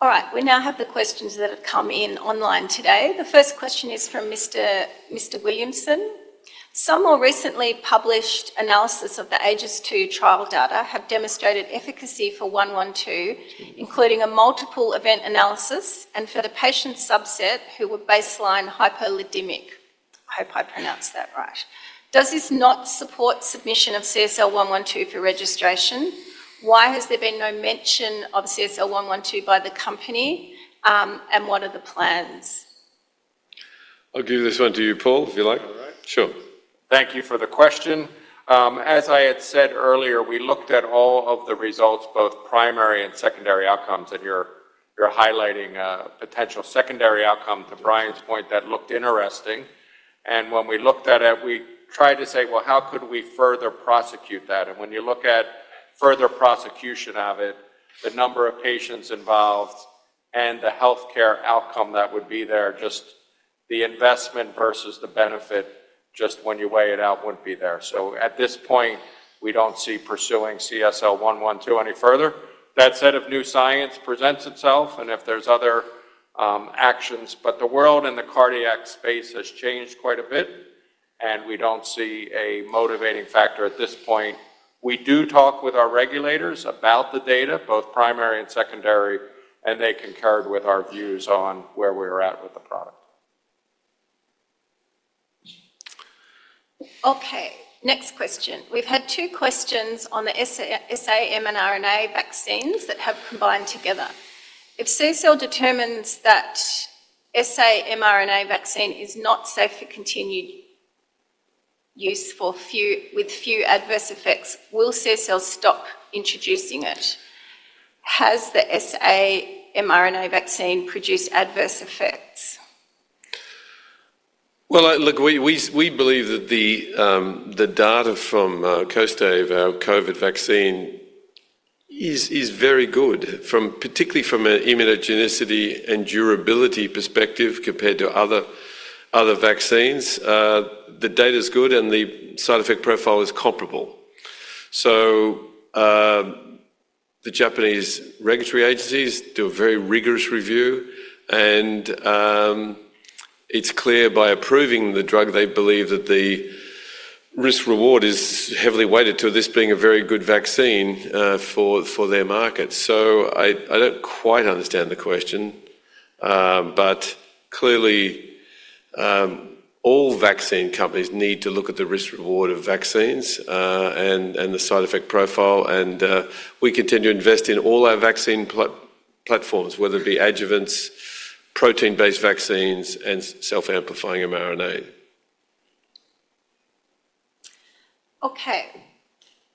All right, we now have the questions that have come in online today. The first question is from Mr. Williamson: "Some more recently published analysis of the AEGIS-II trial data have demonstrated efficacy for 112, including a multiple event analysis and for the patient subset who were baseline hypolipidemic." I hope I pronounced that right. "Does this not support submission of CSL 112 for registration? Why has there been no mention of CSL 112 by the company, and what are the plans? I'll give this one to you, Paul, if you like. All right? Sure. Thank you for the question. As I had said earlier, we looked at all of the results, both primary and secondary outcomes, and you're highlighting a potential secondary outcome, to Brian's point, that looked interesting. And when we looked at it, we tried to say: Well, how could we further prosecute that? And when you look at further prosecution of it, the number of patients involved and the healthcare outcome that would be there, just the investment versus the benefit, just when you weigh it out, wouldn't be there. So at this point, we don't see pursuing CSL112 any further. That said, if new science presents itself, and if there's other actions, but the world and the cardiac space has changed quite a bit, and we don't see a motivating factor at this point. We do talk with our regulators about the data, both primary and secondary, and they concurred with our views on where we're at with the product. Okay, next question. We've had two questions on the SA mRNA vaccines that have combined together. "If CSL determines that SA mRNA vaccine is not safe for continued use for few, with few adverse effects, will CSL stop introducing it? Has the SA mRNA vaccine produced adverse effects? Look, we believe that the data from Kostaive, our COVID vaccine, is very good, particularly from an immunogenicity and durability perspective, compared to other vaccines. The data's good, and the side effect profile is comparable. So, the Japanese regulatory agencies do a very rigorous review, and it's clear by approving the drug, they believe that the risk-reward is heavily weighted to this being a very good vaccine for their market. So I don't quite understand the question, but clearly, all vaccine companies need to look at the risk-reward of vaccines, and the side effect profile, and we continue to invest in all our vaccine platforms, whether it be adjuvants, protein-based vaccines, and self-amplifying mRNA. Okay.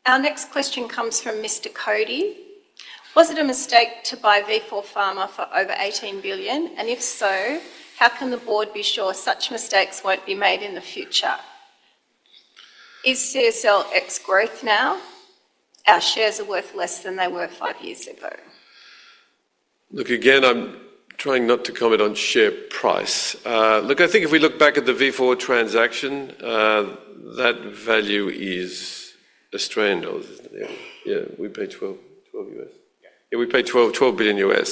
Our next question comes from Mr. Cody: Was it a mistake to buy Vifor Pharma for over eighteen billion? And if so, how can the board be sure such mistakes won't be made in the future? Is CSL ex-growth now? Our shares are worth less than they were five years ago. Look, again, I'm trying not to comment on share price. Look, I think if we look back at the Vifor transaction, that value is Australian dollars, isn't it? Yeah, we paid $12 billion. Yeah, we paid $12 billion.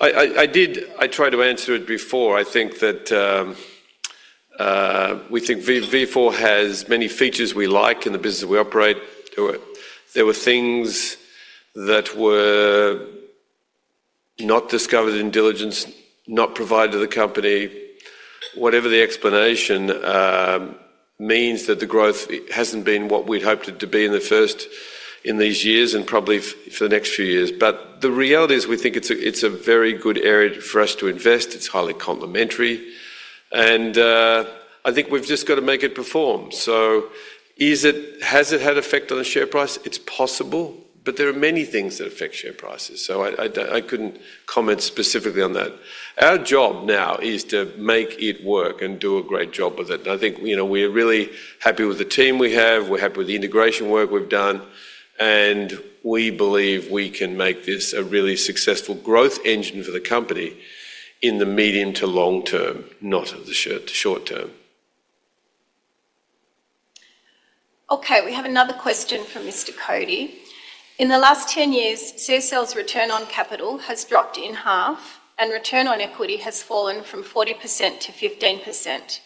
I tried to answer it before. I think that we think Vifor has many features we like in the business that we operate. There were things that were not discovered in diligence, not provided to the company. Whatever the explanation means that the growth hasn't been what we'd hoped it to be in the first, in these years and probably for the next few years. But the reality is, we think it's a very good area for us to invest. It's highly complementary, and I think we've just got to make it perform. So is it... Has it had effect on the share price? It's possible, but there are many things that affect share prices, so I don't, I couldn't comment specifically on that. Our job now is to make it work and do a great job with it, and I think, you know, we're really happy with the team we have, we're happy with the integration work we've done, and we believe we can make this a really successful growth engine for the company in the medium to long term, not in the short, short term. Okay, we have another question from Mr. Cody: In the last 10 years, CSL's return on capital has dropped in half, and return on equity has fallen from 40% to 15%.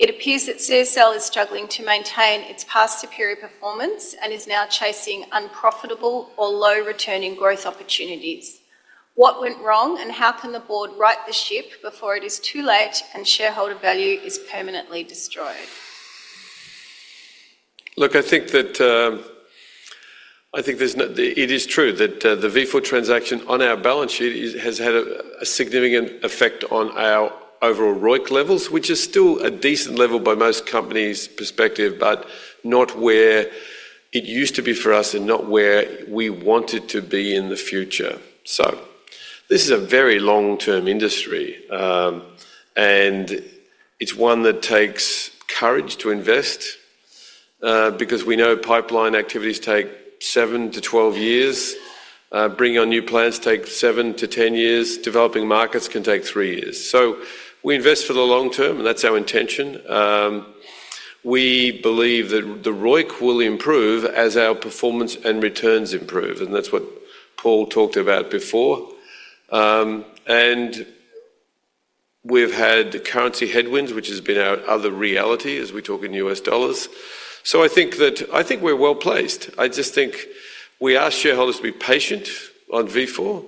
It appears that CSL is struggling to maintain its past superior performance and is now chasing unprofitable or low-returning growth opportunities. What went wrong, and how can the board right the ship before it is too late and shareholder value is permanently destroyed? Look, I think that, It is true that, the Vifor transaction on our balance sheet is, has had a, a significant effect on our overall ROIC levels, which is still a decent level by most companies' perspective, but not where it used to be for us and not where we want it to be in the future. So this is a very long-term industry, and it's one that takes courage to invest, because we know pipeline activities take seven to 12 years. Bringing on new plants takes seven to 10 years. Developing markets can take three years. So we invest for the long term, and that's our intention. We believe that the ROIC will improve as our performance and returns improve, and that's what Paul talked about before. And we've had currency headwinds, which has been our other reality, as we talk in U.S. dollars. So I think we're well-placed. I just think we ask shareholders to be patient on Vifor,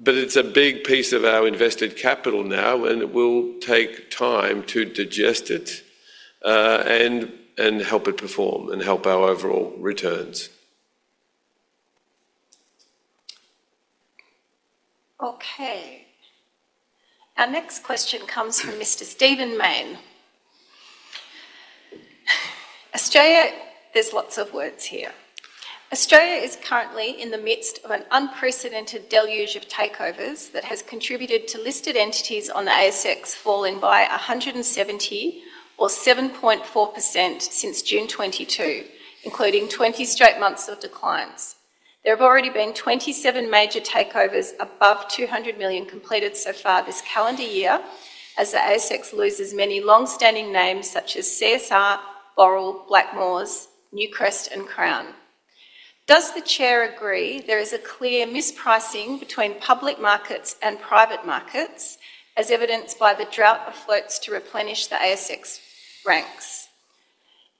but it's a big piece of our invested capital now, and it will take time to digest it, and help it perform and help our overall returns. Okay. Our next question comes from Mr. Stephen Mayne: Australia... There's lots of words here. Australia is currently in the midst of an unprecedented deluge of takeovers that has contributed to listed entities on the ASX falling by 170, or 7.4%, since June 2022, including 20 straight months of declines. There have already been 27 major takeovers above 200 million completed so far this calendar year, as the ASX loses many long-standing names such as CSR, Boral, Blackmores, Newcrest, and Crown. Does the Chair agree there is a clear mispricing between public markets and private markets, as evidenced by the drought of floats to replenish the ASX ranks?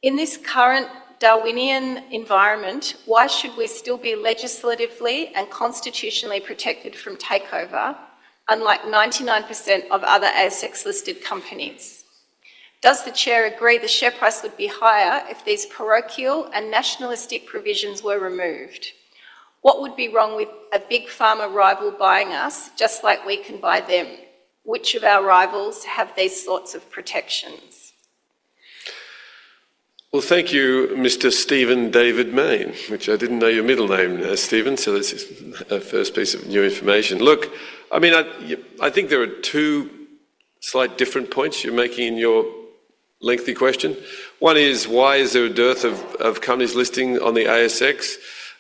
In this current Darwinian environment, why should we still be legislatively and constitutionally protected from takeover, unlike 99% of other ASX-listed companies? Does the Chair agree the share price would be higher if these parochial and nationalistic provisions were removed? What would be wrong with a big pharma rival buying us, just like we can buy them? Which of our rivals have these sorts of protections? Well, thank you, Mr. Stephen Mayne, which I didn't know your middle name, Stephen, so this is a first piece of new information. Look, I mean, I think there are two slight different points you're making in your lengthy question. One is, why is there a dearth of companies listing on the ASX?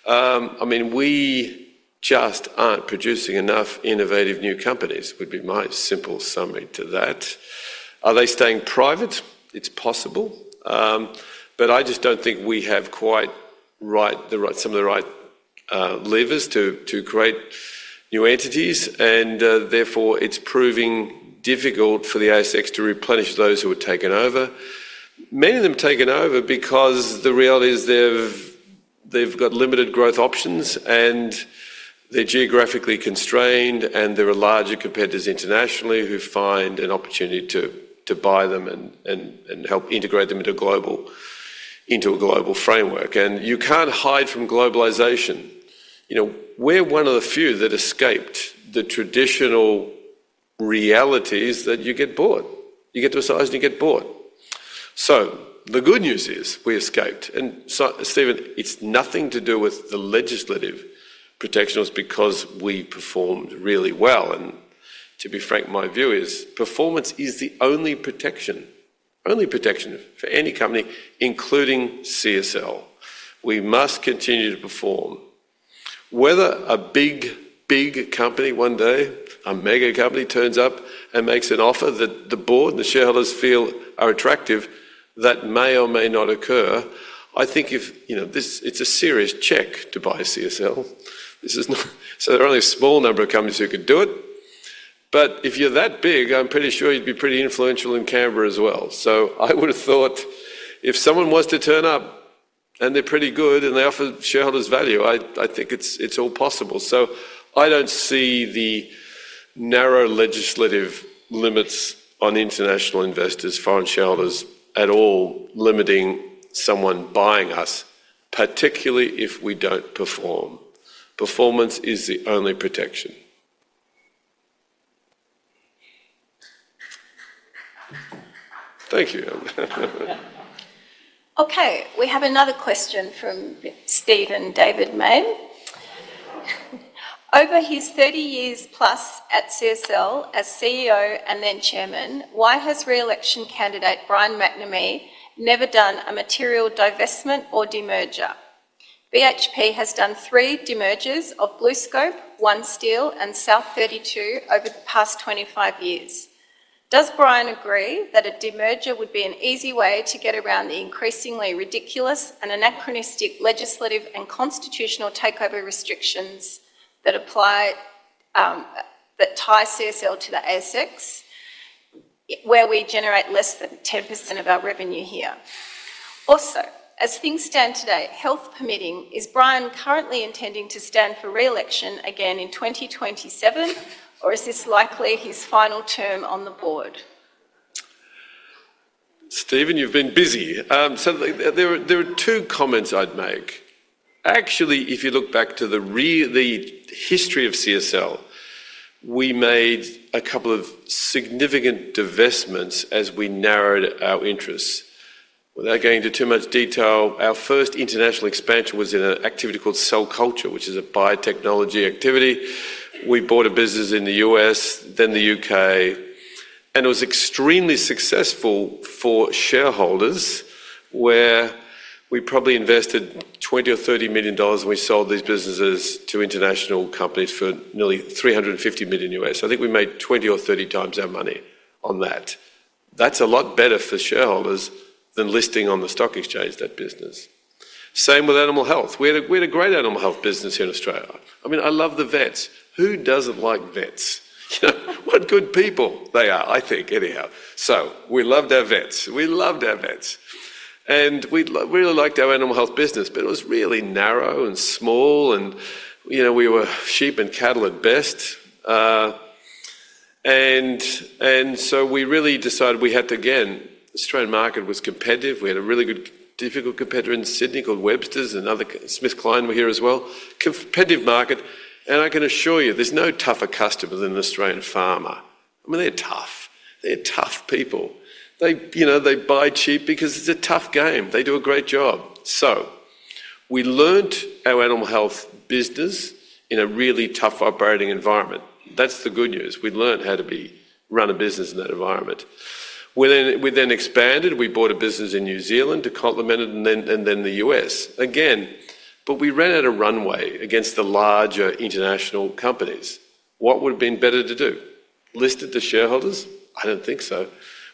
I mean, we just aren't producing enough innovative new companies, would be my simple summary to that. Are they staying private? It's possible. But I just don't think we have quite right, the right levers to create new entities, and therefore, it's proving difficult for the ASX to replenish those who were taken over. Many of them taken over because the reality is they've got limited growth options, and they're geographically constrained, and there are larger competitors internationally who find an opportunity to buy them and help integrate them into a global framework, and you can't hide from globalization. You know, we're one of the few that escaped the traditional realities that you get bought. You get to a size, and you get bought. So the good news is, we escaped, and so, Stephen, it's nothing to do with the legislative protections. It's because we performed really well, and to be frank, my view is performance is the only protection, only protection for any company, including CSL. We must continue to perform. Whether a big, big company one day, a mega company, turns up and makes an offer that the board and the shareholders feel are attractive, that may or may not occur. I think if, you know, this, it's a serious check to buy CSL. This is not. So there are only a small number of companies who could do it. But if you're that big, I'm pretty sure you'd be pretty influential in Canberra as well. So I would've thought if someone was to turn up, and they're pretty good, and they offer shareholders value, I, I think it's, it's all possible. So I don't see the narrow legislative limits on international investors, foreign shareholders, at all limiting someone buying us, particularly if we don't perform. Performance is the only protection. Thank you. Okay, we have another question from Stephen Mayne. Over his 30 years plus at CSL as CEO and then chairman, why has re-election candidate Brian McNamee never done a material divestment or demerger? BHP has done three demergers of BlueScope, OneSteel, and South32 over the past 25 years. Does Brian agree that a demerger would be an easy way to get around the increasingly ridiculous and anachronistic legislative and constitutional takeover restrictions that apply, that tie CSL to the ASX, where we generate less than 10% of our revenue here? Also, as things stand today, health permitting, is Brian currently intending to stand for re-election again in 2027, or is this likely his final term on the board? Stephen, you've been busy. So there are two comments I'd make. Actually, if you look back to the history of CSL, we made a couple of significant divestments as we narrowed our interests. Without going into too much detail, our first international expansion was in an activity called cell culture, which is a biotechnology activity. We bought a business in the U.S., then the U.K., and it was extremely successful for shareholders, where we probably invested 20 or 30 million dollars, and we sold these businesses to international companies for nearly $350 million. So I think we made 20 or 30 times our money on that. That's a lot better for shareholders than listing on the stock exchange, that business. Same with animal health. We had a great animal health business here in Australia. I mean, I love the vets. Who doesn't like vets? You know, what good people they are, I think, anyhow. So we loved our vets. We loved our vets, and we really liked our animal health business, but it was really narrow and small, and, you know, we were sheep and cattle at best. So we really decided we had to, again, Australian market was competitive. We had a really good, difficult competitor in Sydney called Websters, another, SmithKline were here as well. Competitive market, and I can assure you, there's no tougher customer than an Australian farmer. I mean, they're tough. They're tough people. They, you know, they buy cheap because it's a tough game. They do a great job. So we learned our animal health business in a really tough operating environment. That's the good news. We'd learned how to be, run a business in that environment. We then expanded. We bought a business in New Zealand to complement it, and then the US. Again, but we ran out of runway against the larger international companies. What would've been better to do? List it to shareholders? I don't think so.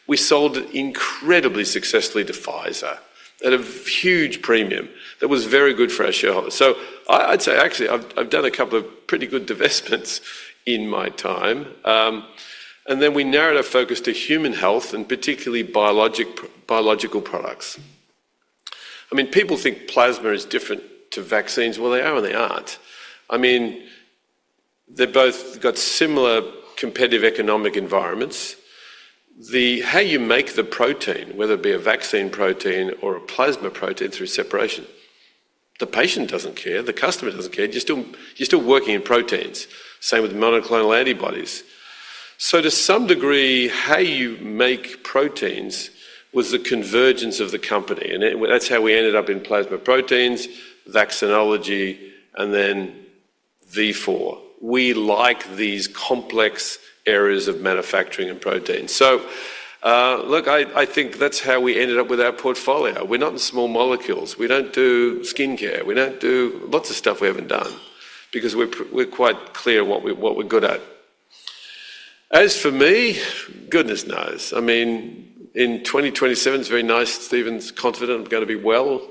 We sold incredibly successfully to Pfizer at a huge premium that was very good for our shareholders. So I'd say, actually, I've done a couple of pretty good divestments in my time. And then we narrowed our focus to human health, and particularly biological products. I mean, people think plasma is different to vaccines. Well, they are and they aren't. I mean, they've both got similar competitive economic environments. How you make the protein, whether it be a vaccine protein or a plasma protein through separation, the patient doesn't care, the customer doesn't care. You're still working in proteins. Same with monoclonal antibodies. So to some degree, how you make proteins was the convergence of the company, and that's how we ended up in plasma proteins, vaccinology, and then Vifor. We like these complex areas of manufacturing and proteins. So, look, I think that's how we ended up with our portfolio. We're not in small molecules. We don't do skincare. We don't do lots of stuff we haven't done because we're quite clear what we're good at. As for me, goodness knows. I mean, in 2027, it's very nice Stephen's confident I'm gonna be well.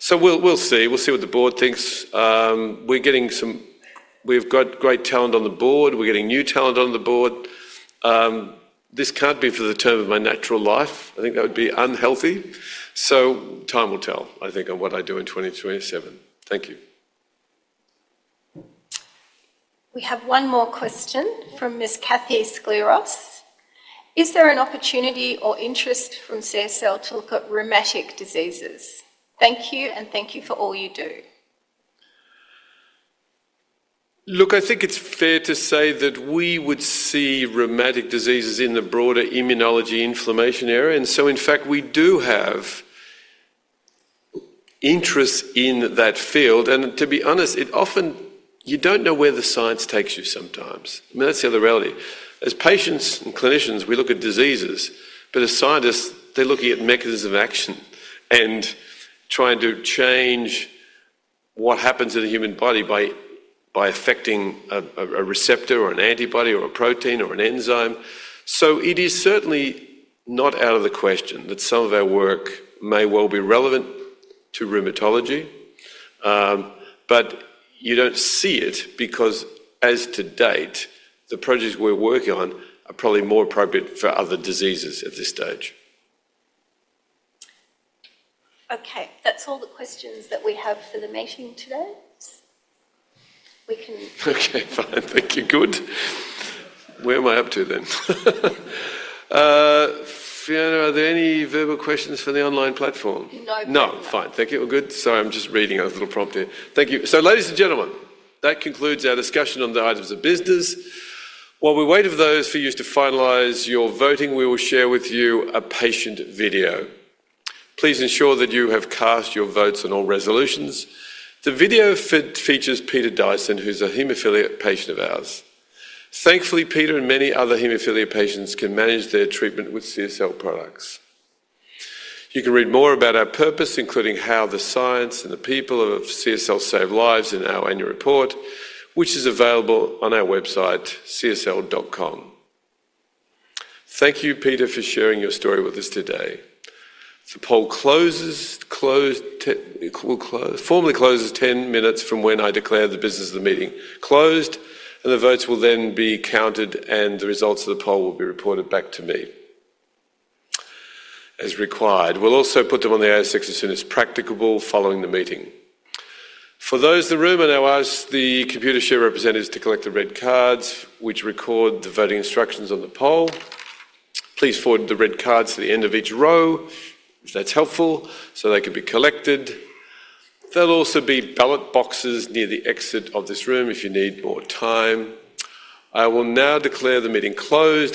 So we'll see. We'll see what the board thinks. We've got great talent on the board. We're getting new talent on the board. This can't be for the term of my natural life. I think that would be unhealthy. So time will tell, I think, on what I do in twenty twenty-seven. Thank you. We have one more question from Miss Kathy Skliros: Is there an opportunity or interest from CSL to look at rheumatic diseases? Thank you, and thank you for all you do. Look, I think it's fair to say that we would see rheumatic diseases in the broader immunology inflammation area, and so in fact, we do have interest in that field. And to be honest, it often, you don't know where the science takes you sometimes. I mean, that's the other reality. As patients and clinicians, we look at diseases, but as scientists, they're looking at mechanism of action and trying to change what happens in the human body by affecting a receptor or an antibody or a protein or an enzyme. So it is certainly not out of the question that some of our work may well be relevant to rheumatology. But you don't see it because, as to date, the projects we're working on are probably more appropriate for other diseases at this stage. Okay, that's all the questions that we have for the meeting today. We can- Okay, fine. Thank you. Good. Where am I up to, then? Fiona, are there any verbal questions from the online platform? No. No. Fine. Thank you. We're good. Sorry, I'm just reading a little prompt here. Thank you. So, ladies and gentlemen, that concludes our discussion on the items of business. While we wait for those of you to finalize your voting, we will share with you a patient video. Please ensure that you have cast your votes on all resolutions. The video features Peter Dyson, who's a hemophilia patient of ours. Thankfully, Peter and many other hemophilia patients can manage their treatment with CSL products. You can read more about our purpose, including how the science and the people of CSL save lives, in our annual report, which is available on our website, csl.com. Thank you, Peter, for sharing your story with us today. The poll will close formally 10 minutes from when I declare the business of the meeting closed, and the votes will then be counted, and the results of the poll will be reported back to me as required. We'll also put them on the ASX as soon as practicable following the meeting. For those in the room, I now ask the Computershare representatives to collect the red cards, which record the voting instructions on the poll. Please forward the red cards to the end of each row, if that's helpful, so they can be collected. There'll also be ballot boxes near the exit of this room if you need more time. I will now declare the meeting closed.